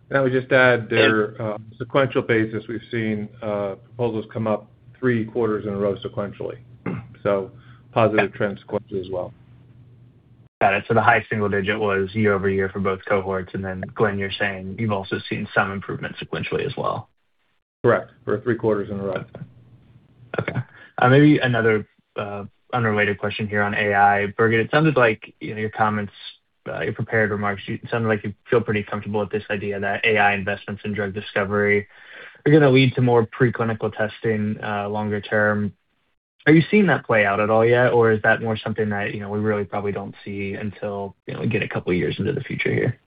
Speaker 4: And I would just add there sequential basis, we've seen proposals come up three quarters in a row sequentially. Positive trends sequentially as well.
Speaker 6: Got it. The high single digit was year-over-year for both cohorts, Glenn, you're saying you've also seen some improvement sequentially as well.
Speaker 4: Correct. For three quarters in a row.
Speaker 6: Okay. Maybe another unrelated question here on AI. Birgit, it sounded like in your comments, your prepared remarks, you sounded like you feel pretty comfortable with this idea that AI investments in drug discovery are gonna lead to more preclinical testing longer term. Are you seeing that play out at all yet? Or is that more something that, you know, we really probably don't see until, you know, we get a couple years into the future here?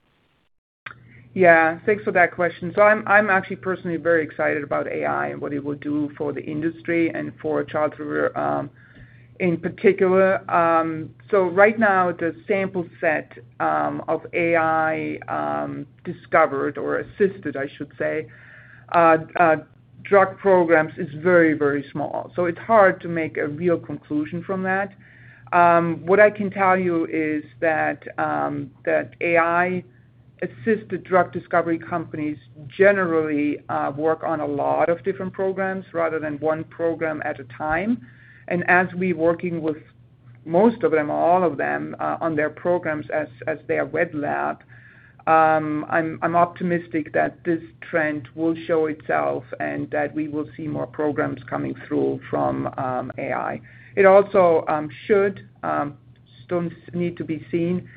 Speaker 3: Yeah. Thanks for that question. I'm actually personally very excited about AI and what it will do for the industry and for Charles River in particular. Right now the sample set of AI discovered or assisted, I should say, drug programs is very, very small, so it's hard to make a real conclusion from that. What I can tell you is that AI-assisted drug discovery companies generally work on a lot of different programs rather than one program at a time. As we working with most of them or all of them, as their wet lab, I'm optimistic that this trend will show itself and that we will see more programs coming through from AI. It also should still needs to be seen,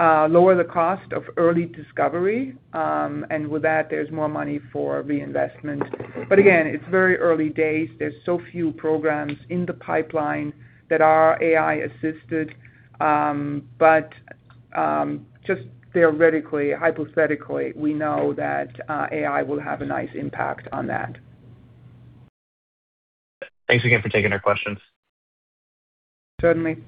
Speaker 3: lower the cost of early discovery, and with that there's more money for reinvestment. Again, it's very early days. There's so few programs in the pipeline that are AI assisted. Just theoretically, hypothetically, we know that AI will have a nice impact on that.
Speaker 6: Thanks again for taking our questions.
Speaker 3: Certainly.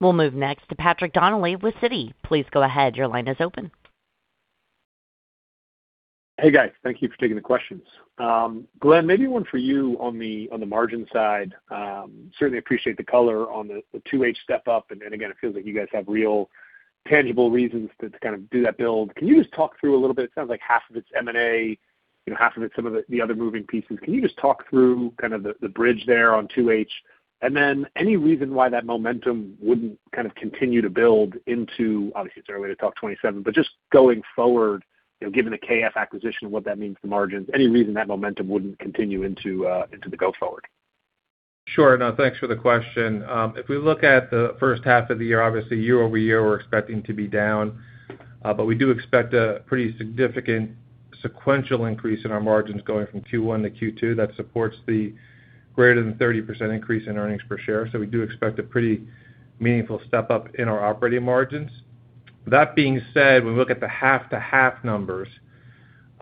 Speaker 1: We'll move next to Patrick Donnelly with Citi. Please go ahead. Your line is open.
Speaker 7: Hey, guys. Thank you for taking the questions. Glenn, maybe one for you on the, on the margin side. Certainly appreciate the color on the 2H step up. Again, it feels like you guys have real tangible reasons to kind of do that build. Can you just talk through a little bit, it sounds like half of it's M&A, you know, half of it's some of the other moving pieces. Can you just talk through kind of the bridge there on 2H? Any reason why that momentum wouldn't kind of continue to build into, obviously it's early to talk 2027, but just going forward, you know, given the K.F. acquisition and what that means for margins, any reason that momentum wouldn't continue into the go forward?
Speaker 4: Sure. No, thanks for the question. If we look at the first half of the year, obviously year-over-year we're expecting to be down, but we do expect a pretty significant sequential increase in our margins going from Q1 to Q2 that supports the greater than 30% increase in earnings per share. We do expect a pretty meaningful step up in our operating margins. That being said, when we look at the half-to-half numbers,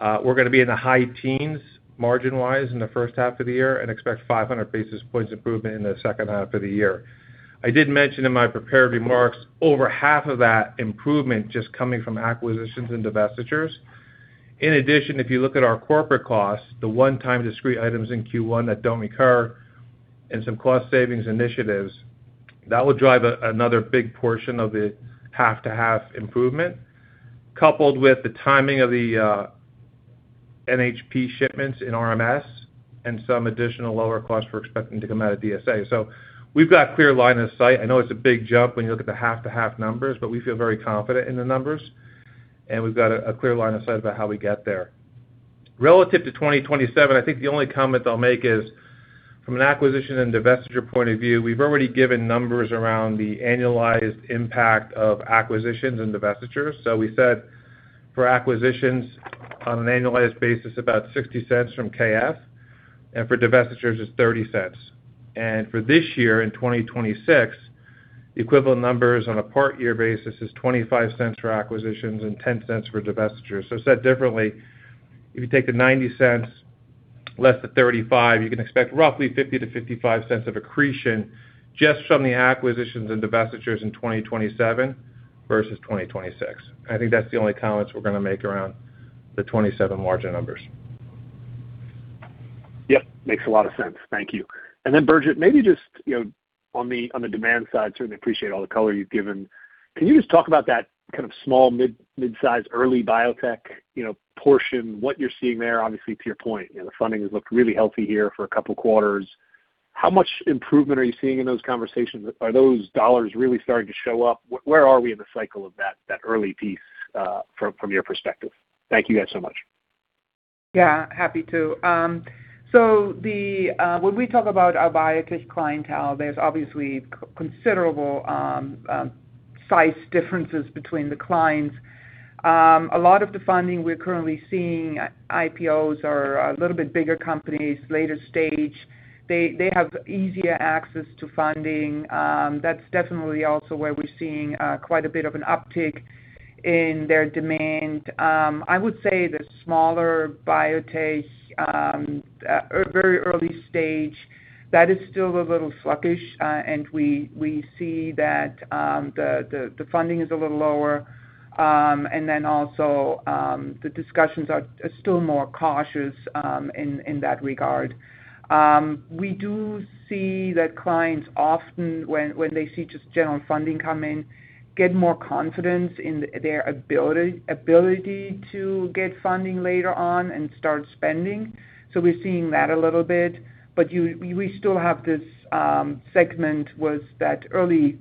Speaker 4: we're gonna be in the high teens margin-wise in the first half of the year and expect 500 basis points improvement in the second half of the year. I did mention in my prepared remarks, over half of that improvement just coming from acquisitions and divestitures. In addition, if you look at our corporate costs, the one-time discrete items in Q1 that don't recur and some cost savings initiatives, that will drive another big portion of the half-to-half improvement. Coupled with the timing of the NHP shipments in RMS and some additional lower costs we're expecting to come out of DSA. We've got clear line of sight. I know it's a big jump when you look at the half-to-half numbers, but we feel very confident in the numbers, and we've got a clear line of sight about how we get there. Relative to 2027, I think the only comment I'll make is from an acquisition and divestiture point of view, we've already given numbers around the annualized impact of acquisitions and divestitures. We said for acquisitions on an annualized basis, about $0.60 from K.F., and for divestitures, it's $0.30. For this year in 2026, the equivalent numbers on a part year basis is $0.25 for acquisitions and $0.10 for divestitures. Said differently, if you take the $0.90 less the $0.35, you can expect roughly $0.50-$0.55 of accretion just from the acquisitions and divestitures in 2027 versus 2026. I think that's the only comments we're going to make around the 2027 margin numbers.
Speaker 7: Yep. Makes a lot of sense. Thank you. Birgit, maybe just, you know, on the demand side, certainly appreciate all the color you've given. Can you just talk about that kind of small midsize early biotech, you know, portion, what you're seeing there? Obviously, to your point, you know, the funding has looked really healthy here for a couple quarters. How much improvement are you seeing in those conversations? Are those dollars really starting to show up? Where are we in the cycle of that early piece, from your perspective? Thank you guys so much.
Speaker 3: Yeah, happy to. When we talk about our biotech clientele, there's obviously considerable size differences between the clients. A lot of the funding we're currently seeing, IPOs are a little bit bigger companies, later stage. They have easier access to funding. That's definitely also where we're seeing quite a bit of an uptick in their demand. I would say the smaller biotech, or very early stage, that is still a little sluggish. And we see that the funding is a little lower. And then also, the discussions are still more cautious in that regard. We do see that clients often when they see just general funding come in, get more confidence in their ability to get funding later on and start spending. We're seeing that a little bit. We still have this segment was that early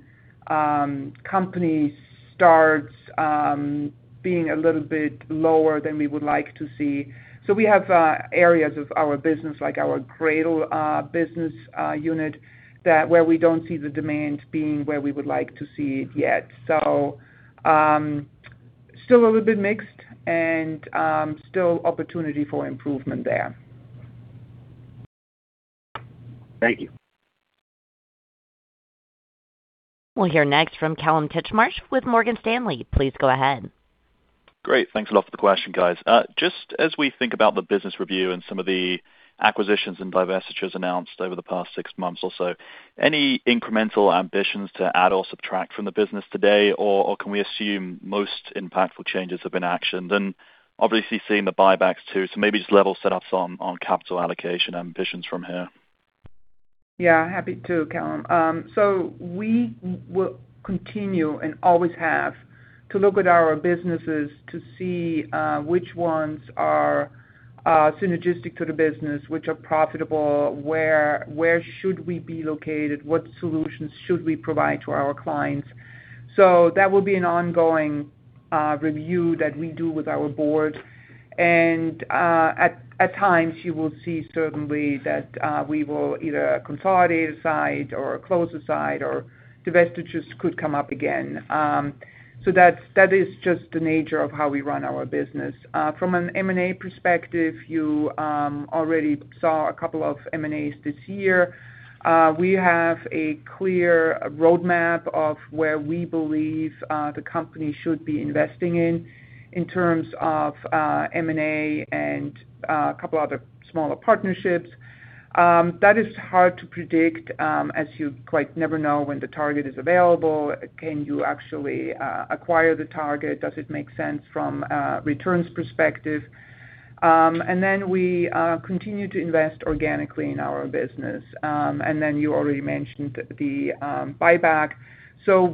Speaker 3: company starts being a little bit lower than we would like to see. We have areas of our business, like our CRADL business unit that where we don't see the demand being where we would like to see it yet. Still a little bit mixed and still opportunity for improvement there.
Speaker 7: Thank you.
Speaker 1: We'll hear next from Kallum Titchmarsh with Morgan Stanley. Please go ahead.
Speaker 8: Great. Thanks a lot for the question, guys. Just as we think about the business review and some of the acquisitions and divestitures announced over the past six months or so, any incremental ambitions to add or subtract from the business today, or can we assume most impactful changes have been actioned? Obviously seeing the buybacks too. Maybe just level set us on capital allocation ambitions from here.
Speaker 3: Yeah. Happy to, Kallum. We will continue and always have to look at our businesses to see which ones are synergistic to the business, which are profitable, where should we be located, what solutions should we provide to our clients. That will be an ongoing review that we do with our Board. At times you will see certainly that we will either consolidate a side or close a side or divestitures could come up again. That is just the nature of how we run our business. From an M&A perspective, you already saw a couple M&As this year. We have a clear roadmap of where we believe the company should be investing in in terms of M&A and couple other smaller partnerships. That is hard to predict, as you quite never know when the target is available. Can you actually acquire the target? Does it make sense from a returns perspective? We continue to invest organically in our business. You already mentioned the buyback.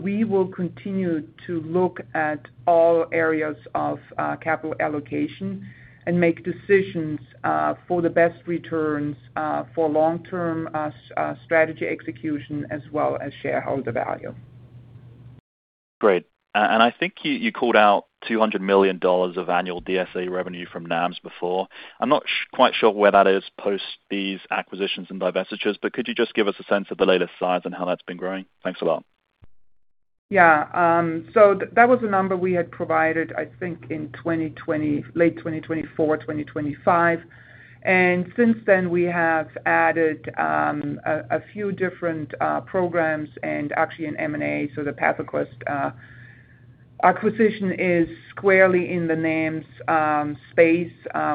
Speaker 3: We will continue to look at all areas of capital allocation and make decisions for the best returns for long-term strategy execution as well as shareholder value.
Speaker 8: Great. I think you called out $200 million of annual DSA revenue from NAMs before. I'm not quite sure where that is post these acquisitions and divestitures, but could you just give us a sense of the latest size and how that's been growing? Thanks a lot.
Speaker 3: Yeah. That was a number we had provided, I think in late 2024, 2025. Since then, we have added a few different programs and actually an M&A. The PathoQuest acquisition is squarely in the NAMs space,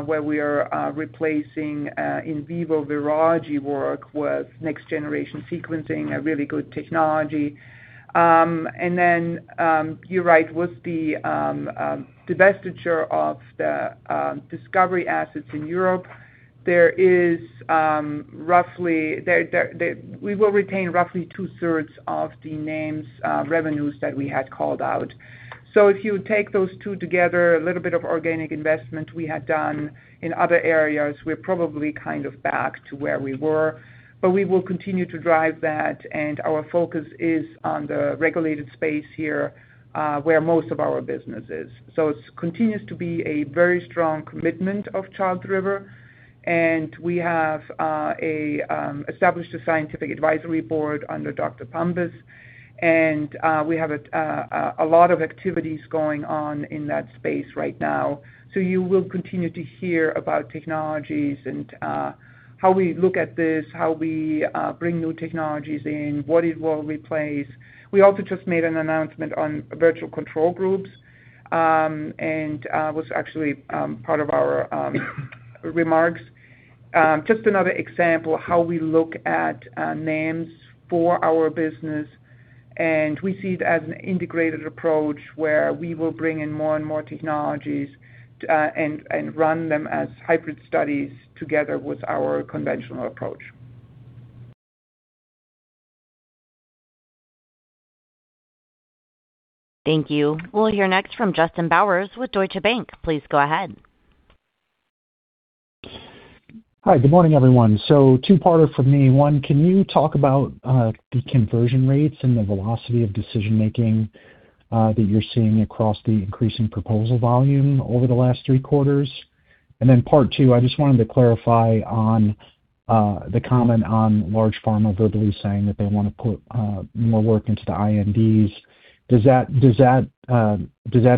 Speaker 3: where we are replacing in vivo virology work with next-generation sequencing, a really good technology. You're right, with the divestiture of the discovery assets in Europe, we will retain roughly 2/3 of the NAMs revenues that we had called out. If you take those two together, a little bit of organic investment we had done in other areas, we're probably kind of back to where we were. We will continue to drive that. Our focus is on the regulated space here, where most of our business is. It continues to be a very strong commitment of Charles River, and we have a established Scientific Advisory Board under Dr. Bumpus, and we have a lot of activities going on in that space right now. You will continue to hear about technologies and how we look at this, how we bring new technologies in, what it will replace. We also just made an announcement on Virtual Control Groups, and was actually part of our remarks. Just another example of how we look at NAMs for our business, and we see it as an integrated approach where we will bring in more and more technologies, and run them as hybrid studies together with our conventional approach.
Speaker 1: Thank you. We'll hear next from Justin Bowers with Deutsche Bank. Please go ahead.
Speaker 9: Hi, good morning, everyone. Two-parter from me. One, can you talk about the conversion rates and the velocity of decision-making that you're seeing across the increasing proposal volume over the last three quarters? Part two, I just wanted to clarify on the comment on large pharma verbally saying that they want to put more work into the INDs. Does that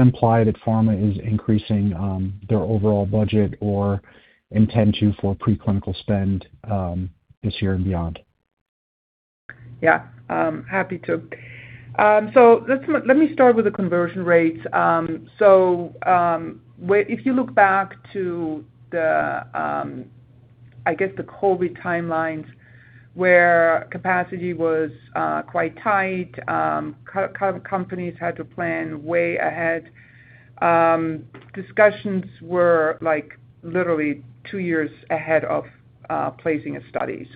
Speaker 9: imply that pharma is increasing their overall budget or intention for preclinical spend this year and beyond?
Speaker 3: Yeah, happy to. Let me start with the conversion rates. If you look back to the COVID timelines, where capacity was quite tight, companies had to plan way ahead. Discussions were like literally two years ahead of placing a study.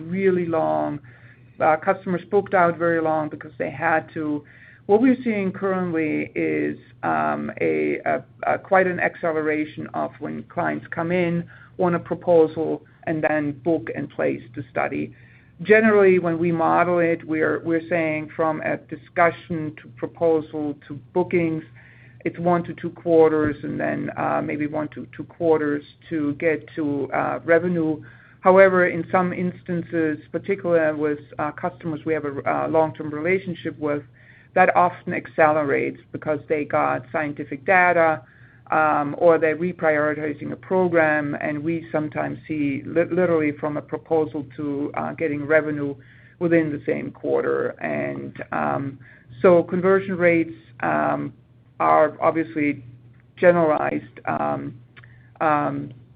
Speaker 3: Really long. Customers booked out very long because they had to. What we're seeing currently is quite an acceleration of when clients come in, want a proposal, and then book and place the study. Generally, when we model it, we're saying from a discussion to proposal to bookings, it's one to two quarters and then maybe one to two quarters to get to revenue. However, in some instances, particularly with customers we have a long-term relationship with, that often accelerates because they got scientific data, or they're reprioritizing a program. We sometimes see literally from a proposal to getting revenue within the same quarter. Conversion rates are obviously generalized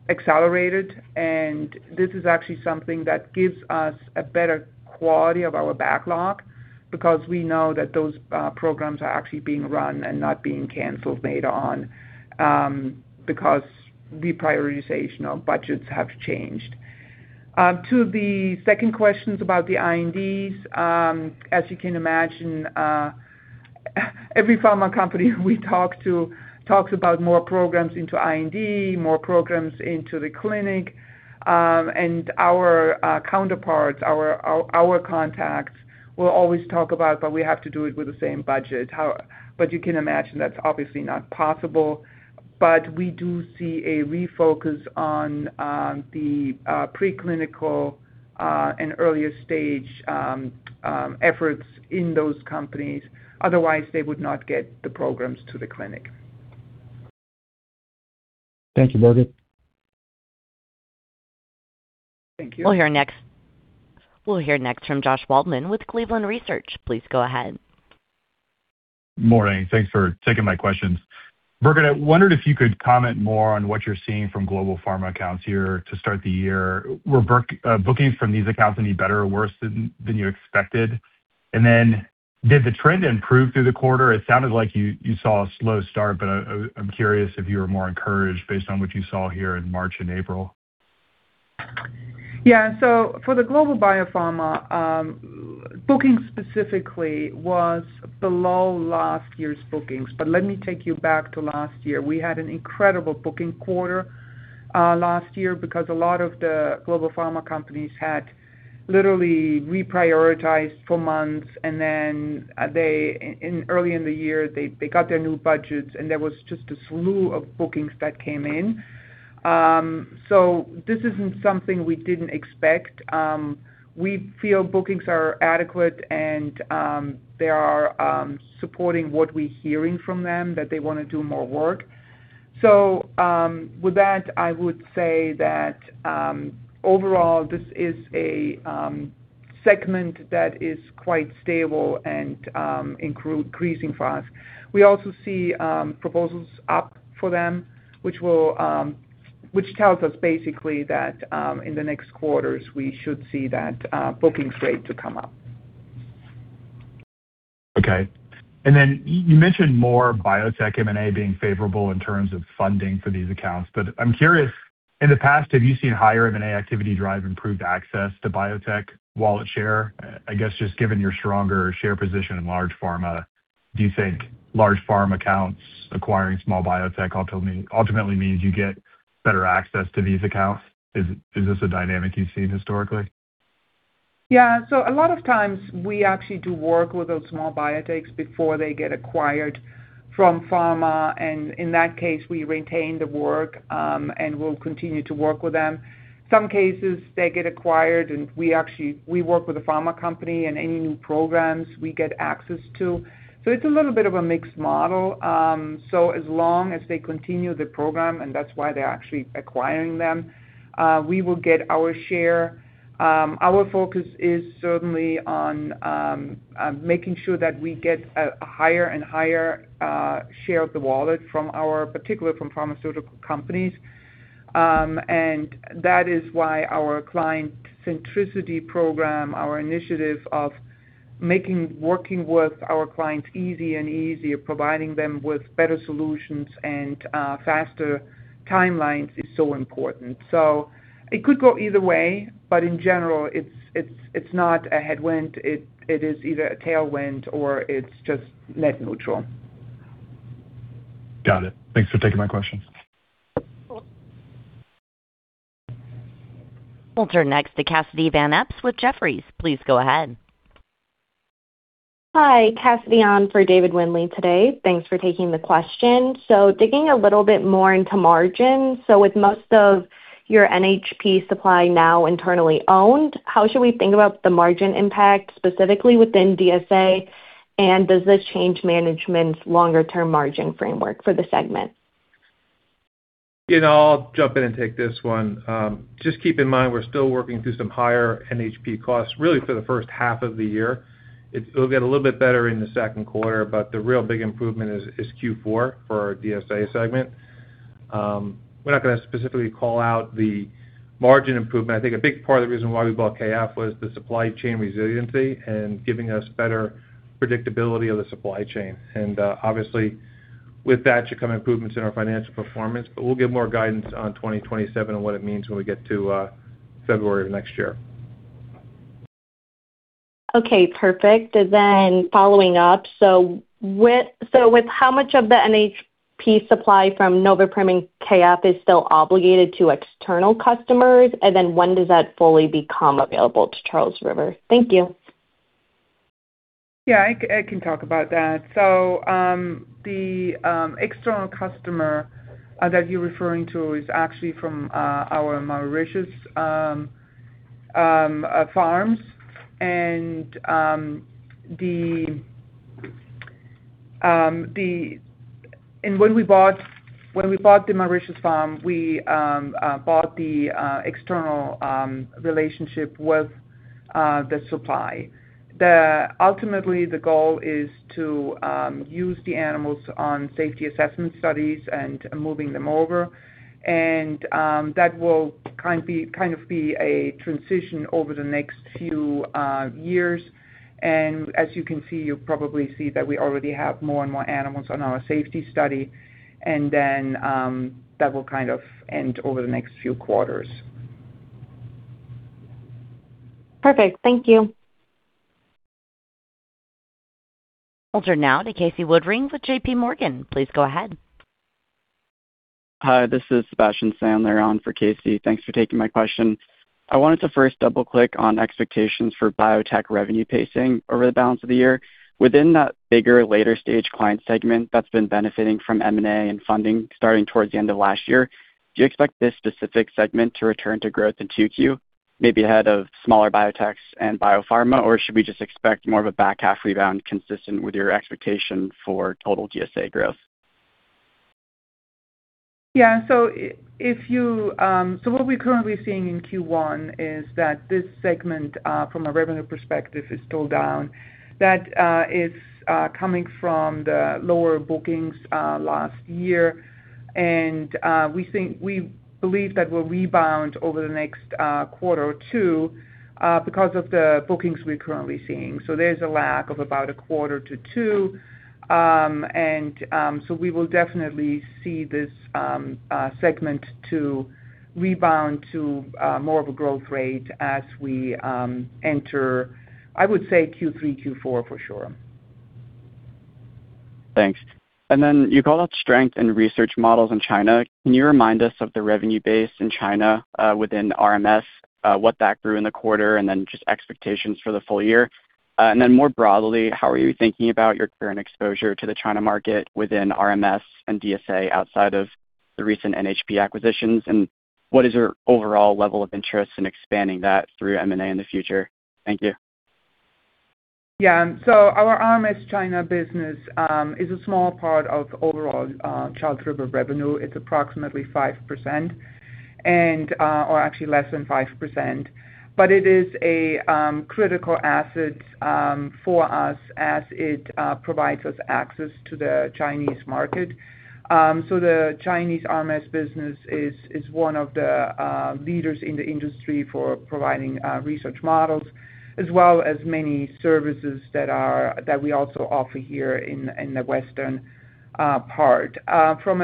Speaker 3: accelerated. This is actually something that gives us a better quality of our backlog because we know that those programs are actually being run and not being canceled later on because reprioritization of budgets have changed. To the second questions about the INDs, as you can imagine, every pharma company we talk to talks about more programs into IND, more programs into the clinic. Our counterparts, our contacts will always talk about, "But we have to do it with the same budget." You can imagine that's obviously not possible. We do see a refocus on the preclinical and earlier stage efforts in those companies. Otherwise, they would not get the programs to the clinic.
Speaker 9: Thank you, Birgit.
Speaker 3: Thank you.
Speaker 1: We'll hear next from Josh Waldman with Cleveland Research. Please go ahead.
Speaker 10: Morning. Thanks for taking my questions. Birgit, I wondered if you could comment more on what you're seeing from global pharma accounts here to start the year. Were bookings from these accounts any better or worse than you expected? Did the trend improve through the quarter? It sounded like you saw a slow start, but I'm curious if you were more encouraged based on what you saw here in March and April.
Speaker 3: For the global biopharma, bookings specifically was below last year's bookings. Let me take you back to last year. We had an incredible booking quarter last year because a lot of the global pharma companies had literally reprioritized for months, and then in early in the year, they got their new budgets, and there was just a slew of bookings that came in. This isn't something we didn't expect. We feel bookings are adequate, and they are supporting what we're hearing from them, that they wanna do more work. So, with that, I would say that overall, this is a segment that is quite stable and increasing for us. We also see proposals up for them, which will, which tells us basically that, in the next quarters, we should see that bookings rate to come up.
Speaker 10: Okay. You mentioned more biotech M&A being favorable in terms of funding for these accounts. I'm curious, in the past, have you seen higher M&A activity drive improved access to biotech wallet share? I guess, just given your stronger share position in large pharma, do you think large pharma accounts acquiring small biotech ultimately means you get better access to these accounts? Is this a dynamic you've seen historically?
Speaker 3: A lot of times we actually do work with those small biotechs before they get acquired from pharma, and in that case, we retain the work, and we'll continue to work with them. Some cases, they get acquired, and we actually work with the pharma company in any new programs we get access to. It's a little bit of a mixed model. As long as they continue the program, and that's why they're actually acquiring them, we will get our share. Our focus is certainly on making sure that we get a higher and higher share of the wallet from our, particular from pharmaceutical companies. That is why our client centricity program, our initiative of making working with our clients easy and easier, providing them with better solutions and faster timelines is so important. It could go either way, but in general, it's not a headwind. It is either a tailwind or it's just net neutral.
Speaker 10: Got it. Thanks for taking my questions.
Speaker 1: We'll turn next to Cassidy VanEpps with Jefferies. Please go ahead.
Speaker 11: Hi, Cassidy, on for David Windley today. Thanks for taking the question. Digging a little bit more into margins, so with most of your NHP supply now internally owned, how should we think about the margin impact, specifically within DSA? And does this change management's longer-term margin framework for the segment?
Speaker 4: You know, I'll jump in and take this one. Just keep in mind, we're still working through some higher NHP costs really for the first half of the year. It'll get a little bit better in the second quarter, but the real big improvement is Q4 for our DSA segment. We're not gonna specifically call out the margin improvement. I think a big part of the reason why we bought K.F. was the supply chain resiliency and giving us better predictability of the supply chain. Obviously, with that should come improvements in our financial performance, but we'll give more guidance on 2027 and what it means when we get to February of next year.
Speaker 11: Okay, perfect. Following up, with how much of the NHP supply from Noveprim and K.F. is still obligated to external customers? When does that fully become available to Charles River? Thank you.
Speaker 3: Yeah, I can talk about that. The external customer that you're referring to is actually from our Mauritius farms. When we bought the Mauritius farm, we bought the external relationship with the supply. Ultimately, the goal is to use the animals on safety assessment studies and moving them over, and that will kind of be a transition over the next few years. As you can see, you probably see that we already have more and more animals on our safety study, and that will kind of end over the next few quarters.
Speaker 11: Perfect. Thank you.
Speaker 1: We'll turn now to Casey Woodring with JPMorgan. Please go ahead.
Speaker 12: Hi, this is Sebastian Sandler on for Casey. Thanks for taking my question. I wanted to first double-click on expectations for biotech revenue pacing over the balance of the year. Within that bigger later stage client segment that's been benefiting from M&A and funding starting towards the end of last year, do you expect this specific segment to return to growth in 2Q, maybe ahead of smaller biotechs and biopharma? Should we just expect more of a back half rebound consistent with your expectation for total DSA growth?
Speaker 3: Yeah. So what we're currently seeing in Q1 is that this segment, from a revenue perspective, is still down. That is coming from the lower bookings last year. We think, we believe that we'll rebound over the next quarter or two because of the bookings we're currently seeing. There's a lag of about a quarter to two. We will definitely see this segment to rebound to more of a growth rate as we enter, I would say Q3, Q4 for sure.
Speaker 12: Thanks. Then you called out strength in research models in China. Can you remind us of the revenue base in China within RMS, what that grew in the quarter, and then just expectations for the full year? Then more broadly, how are you thinking about your current exposure to the China market within RMS and DSA outside of the recent NHP acquisitions? What is your overall level of interest in expanding that through M&A in the future? Thank you.
Speaker 3: Our RMS China business is a small part of overall Charles River revenue. It's approximately 5% or actually less than 5%. It is a critical asset for us as it provides us access to the Chinese market. The Chinese RMS business is one of the leaders in the industry for providing research models as well as many services that we also offer here in the Western part. From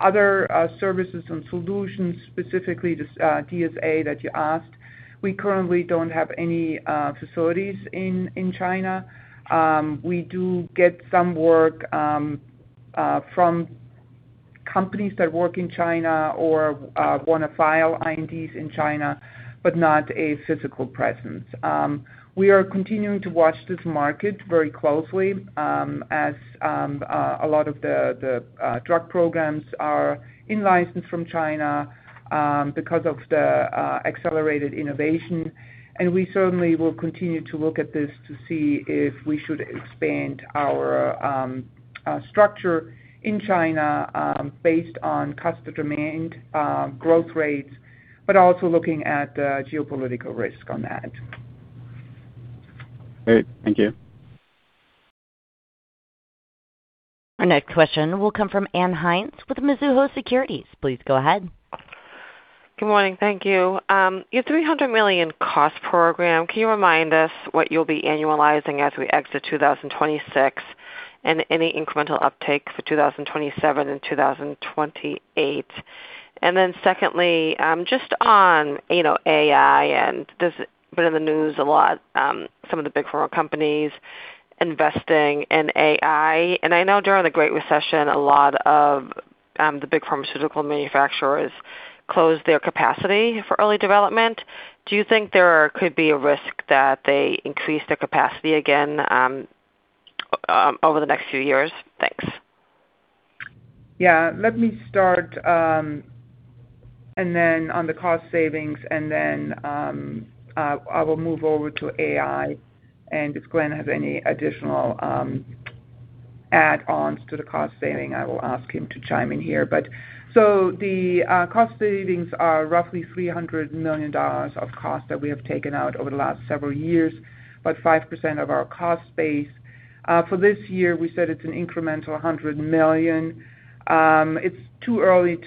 Speaker 3: other services and solutions, specifically this DSA that you asked, we currently don't have any facilities in China. We do get some work from companies that work in China or wanna file INDs in China, not a physical presence. We are continuing to watch this market very closely, as a lot of the drug programs are in license from China, because of the accelerated innovation. We certainly will continue to look at this to see if we should expand our structure in China, based on customer demand, growth rates, but also looking at the geopolitical risk on that.
Speaker 12: Great. Thank you.
Speaker 1: Our next question will come from Ann Hynes with Mizuho Securities. Please go ahead.
Speaker 13: Good morning. Thank you. Your $300 million cost program, can you remind us what you'll be annualizing as we exit 2026 and any incremental uptake for 2027 and 2028? Then secondly, just on, you know, AI, and this has been in the news a lot, some of the big pharma companies investing in AI. I know during the Great Recession, a lot of the big pharmaceutical manufacturers closed their capacity for early development. Do you think there could be a risk that they increase their capacity again over the next few years? Thanks.
Speaker 3: Yeah. Let me start, and then on the cost savings, and then I will move over to AI, and if Glenn has any additional add-ons to the cost saving, I will ask him to chime in here. The cost savings are roughly $300 million of cost that we have taken out over the last several years, about 5% of our cost base. For this year, we said it's an incremental $100 million. It's too early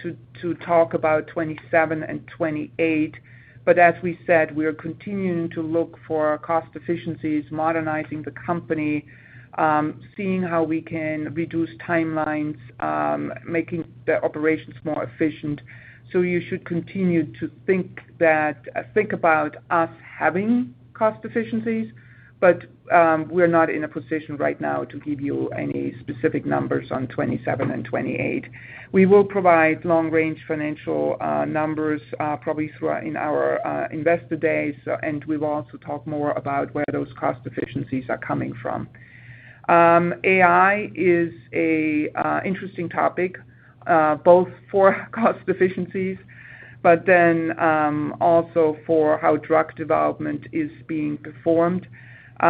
Speaker 3: to talk about 2027 and 2028, but as we said, we are continuing to look for cost efficiencies, modernizing the company, seeing how we can reduce timelines, making the operations more efficient. You should continue to think about us having cost efficiencies, but we're not in a position right now to give you any specific numbers on 2027 and 2028. We will provide long-range financial numbers, probably in our Investor Days, and we will also talk more about where those cost efficiencies are coming from. AI is an interesting topic, both for cost efficiencies, but then also for how drug development is being performed.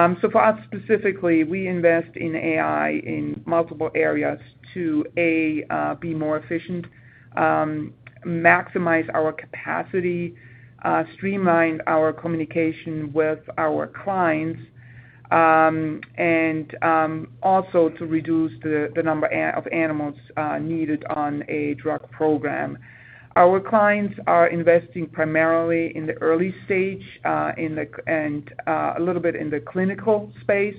Speaker 3: For us specifically, we invest in AI in multiple areas to, A, be more efficient, maximize our capacity, streamline our communication with our clients, and also to reduce the number of animals needed on a drug program. Our clients are investing primarily in the early stage, a little bit in the clinical space.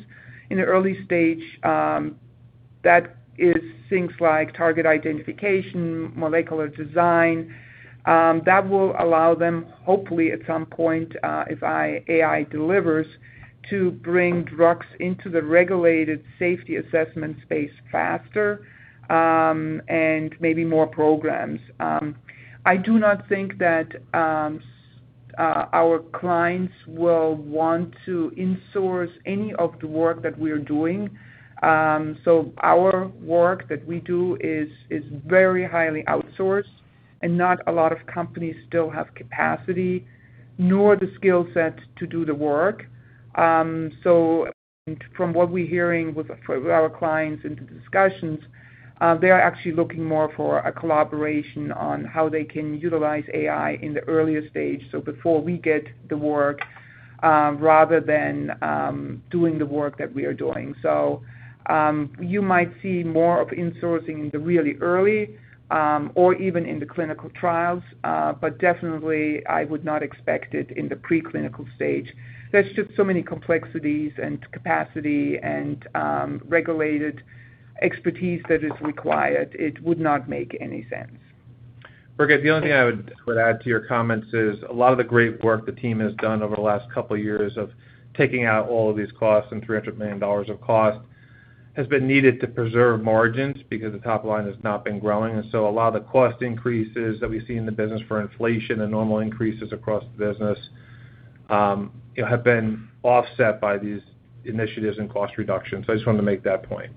Speaker 3: In the early stage, that is things like target identification, molecular design, that will allow them, hopefully at some point, if AI delivers, to bring drugs into the regulated safety assessment space faster, and maybe more programs. I do not think that our clients will want to in-source any of the work that we are doing. Our work that we do is very highly outsourced, and not a lot of companies still have capacity nor the skill set to do the work. From what we're hearing for our clients in the discussions, they are actually looking more for a collaboration on how they can utilize AI in the earlier stage, before we get the work, rather than doing the work that we are doing. You might see more of in-sourcing in the really early, or even in the clinical trials, but definitely I would not expect it in the pre-clinical stage. There's just so many complexities and capacity and regulated expertise that is required. It would not make any sense.
Speaker 4: Birgit, the only thing I would add to your comments is a lot of the great work the team has done over the last couple years of taking out all of these costs and $300 million of cost has been needed to preserve margins because the top line has not been growing. A lot of the cost increases that we see in the business for inflation and normal increases across the business have been offset by these initiatives and cost reductions. I just wanted to make that point.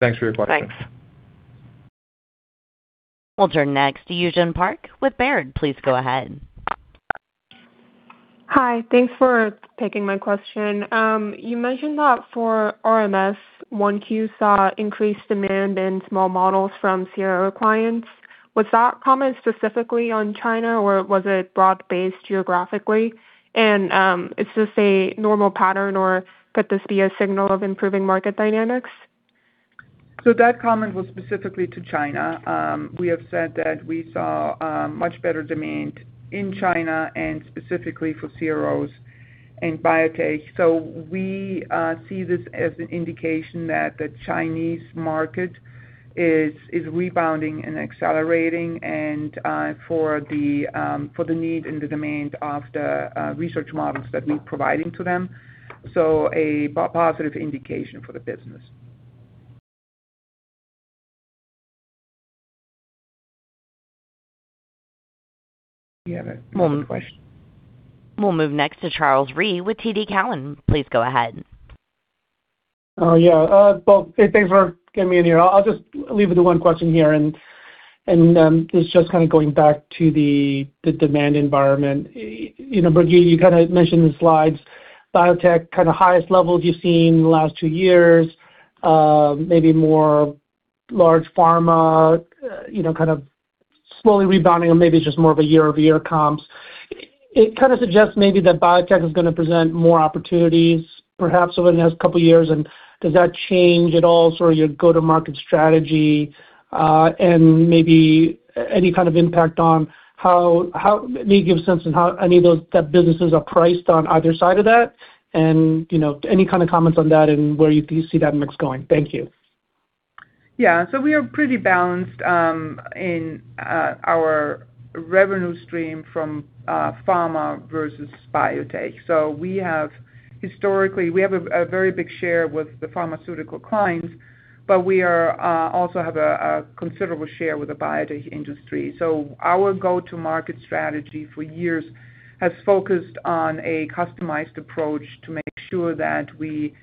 Speaker 4: Thanks for your question.
Speaker 3: Thanks.
Speaker 1: We'll turn next to Yujin Park with Baird. Please go ahead.
Speaker 14: Hi. Thanks for taking my question. You mentioned that for RMS, 1Q saw increased demand in small models from CRO clients. Was that comment specifically on China, or was it broad-based geographically? Is this a normal pattern, or could this be a signal of improving market dynamics?
Speaker 3: That comment was specifically to China. We have said that we saw much better demand in China and specifically for CROs and biotech. We see this as an indication that the Chinese market is rebounding and accelerating and for the need and the demand of the research models that we're providing to them. A positive indication for the business. Do you have another question?
Speaker 1: We'll move next to Charles Rhyee with TD Cowen. Please go ahead.
Speaker 15: Oh, yeah. Well, hey, thanks for getting me in here. I'll just leave it at one question here, and it's just kind of going back to the demand environment. You know, Birgit, you kind of mentioned in the slides, biotech, kind of highest levels you've seen in the last two years, maybe more large pharma, you know, kind of slowly rebounding or maybe just more of a year-over-year comps. It kind of suggests maybe that biotech is gonna present more opportunities perhaps over the next couple years. Does that change at all sort of your go-to-market strategy? Maybe any kind of impact on how. Maybe give a sense on how any of those businesses are priced on either side of that, and, you know, any kind of comments on that and where you see that mix going. Thank you.
Speaker 3: Yeah. We are pretty balanced in our revenue stream from pharma versus biotech. We have historically, we have a very big share with the pharmaceutical clients, but we are also have a considerable share with the biotech industry. Our go-to-market strategy for years has focused on a customized approach to make sure that we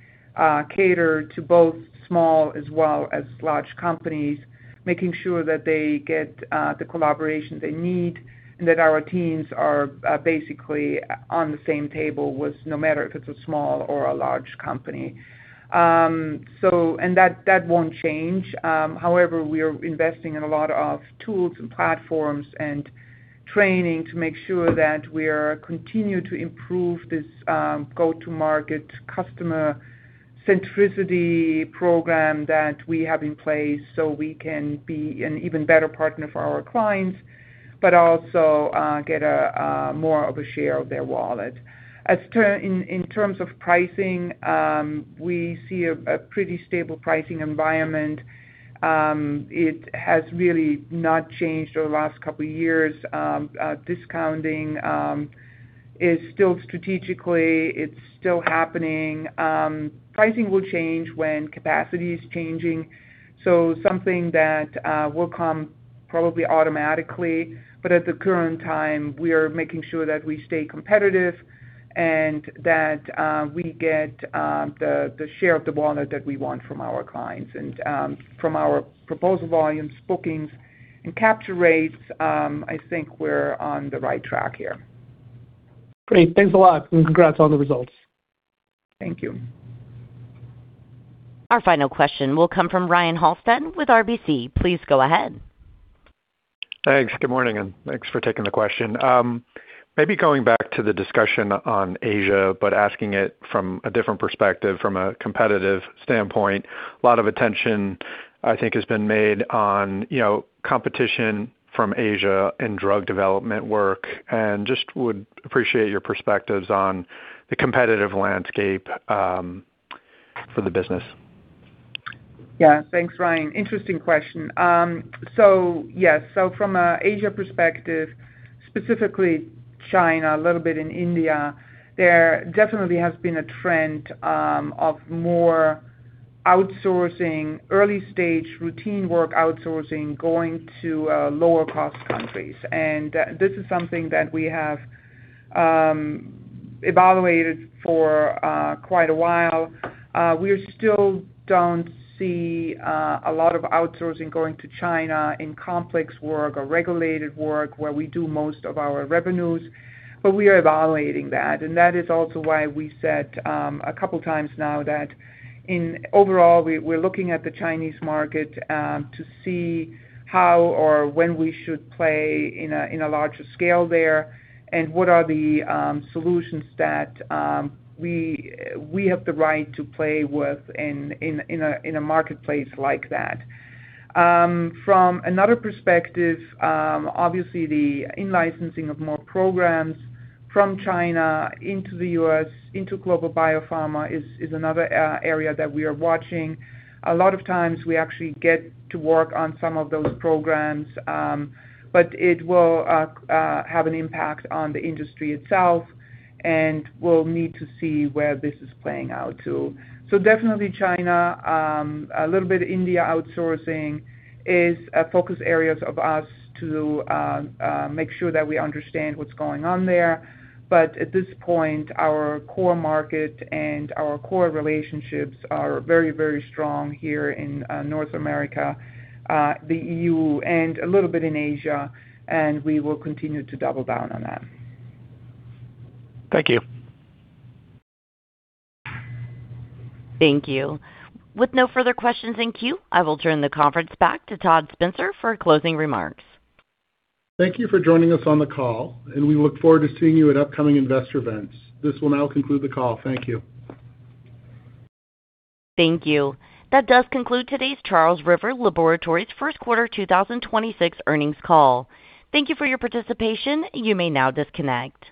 Speaker 3: cater to both small as well as large companies, making sure that they get the collaboration they need and that our teams are basically on the same table with no matter if it's a small or a large company. That won't change. However, we are investing in a lot of tools and platforms and training to make sure that we are continue to improve this go-to-market customer centricity program that we have in place so we can be an even better partner for our clients, but also get more of a share of their wallet. In terms of pricing, we see a pretty stable pricing environment. It has really not changed over the last couple years. Discounting is still strategically, it's still happening. Pricing will change when capacity is changing, something that will come probably automatically. At the current time, we are making sure that we stay competitive and that we get the share of the wallet that we want from our clients. From our proposal volumes, bookings, and capture rates, I think we're on the right track here.
Speaker 15: Great. Thanks a lot, and congrats on the results.
Speaker 3: Thank you.
Speaker 1: Our final question will come from Ryan Halsted with RBC. Please go ahead.
Speaker 16: Thanks. Good morning, and thanks for taking the question. Maybe going back to the discussion on Asia, but asking it from a different perspective, from a competitive standpoint, a lot of attention, I think, has been made on, you know, competition from Asia and drug development work. Just would appreciate your perspectives on the competitive landscape for the business.
Speaker 3: Thanks, Ryan. Interesting question. Yes. From an Asia perspective, specifically China, a little bit in India, there definitely has been a trend of more outsourcing, early-stage routine work outsourcing going to lower-cost countries. This is something that we have evaluated for quite a while. We still don't see a lot of outsourcing going to China in complex work or regulated work where we do most of our revenues, but we are evaluating that. That is also why we said a couple times now that overall, we're looking at the Chinese market to see how or when we should play in a larger scale there and what are the solutions that we have the right to play with in a marketplace like that. From another perspective, obviously the in-licensing of more programs from China into the U.S., into global biopharma is another area that we are watching. A lot of times we actually get to work on some of those programs, it will have an impact on the industry itself, and we'll need to see where this is playing out too. Definitely China, a little bit India outsourcing is a focus areas of us to make sure that we understand what's going on there. At this point, our core market and our core relationships are very, very strong here in North America, the E.U. and a little bit in Asia, and we will continue to double down on that.
Speaker 16: Thank you.
Speaker 1: Thank you. With no further questions in queue, I will turn the conference back to Todd Spencer for closing remarks.
Speaker 2: Thank you for joining us on the call, and we look forward to seeing you at upcoming investor events. This will now conclude the call. Thank you.
Speaker 1: Thank you. That does conclude today's Charles River Laboratories first quarter 2026 earnings call. Thank you for your participation. You may now disconnect.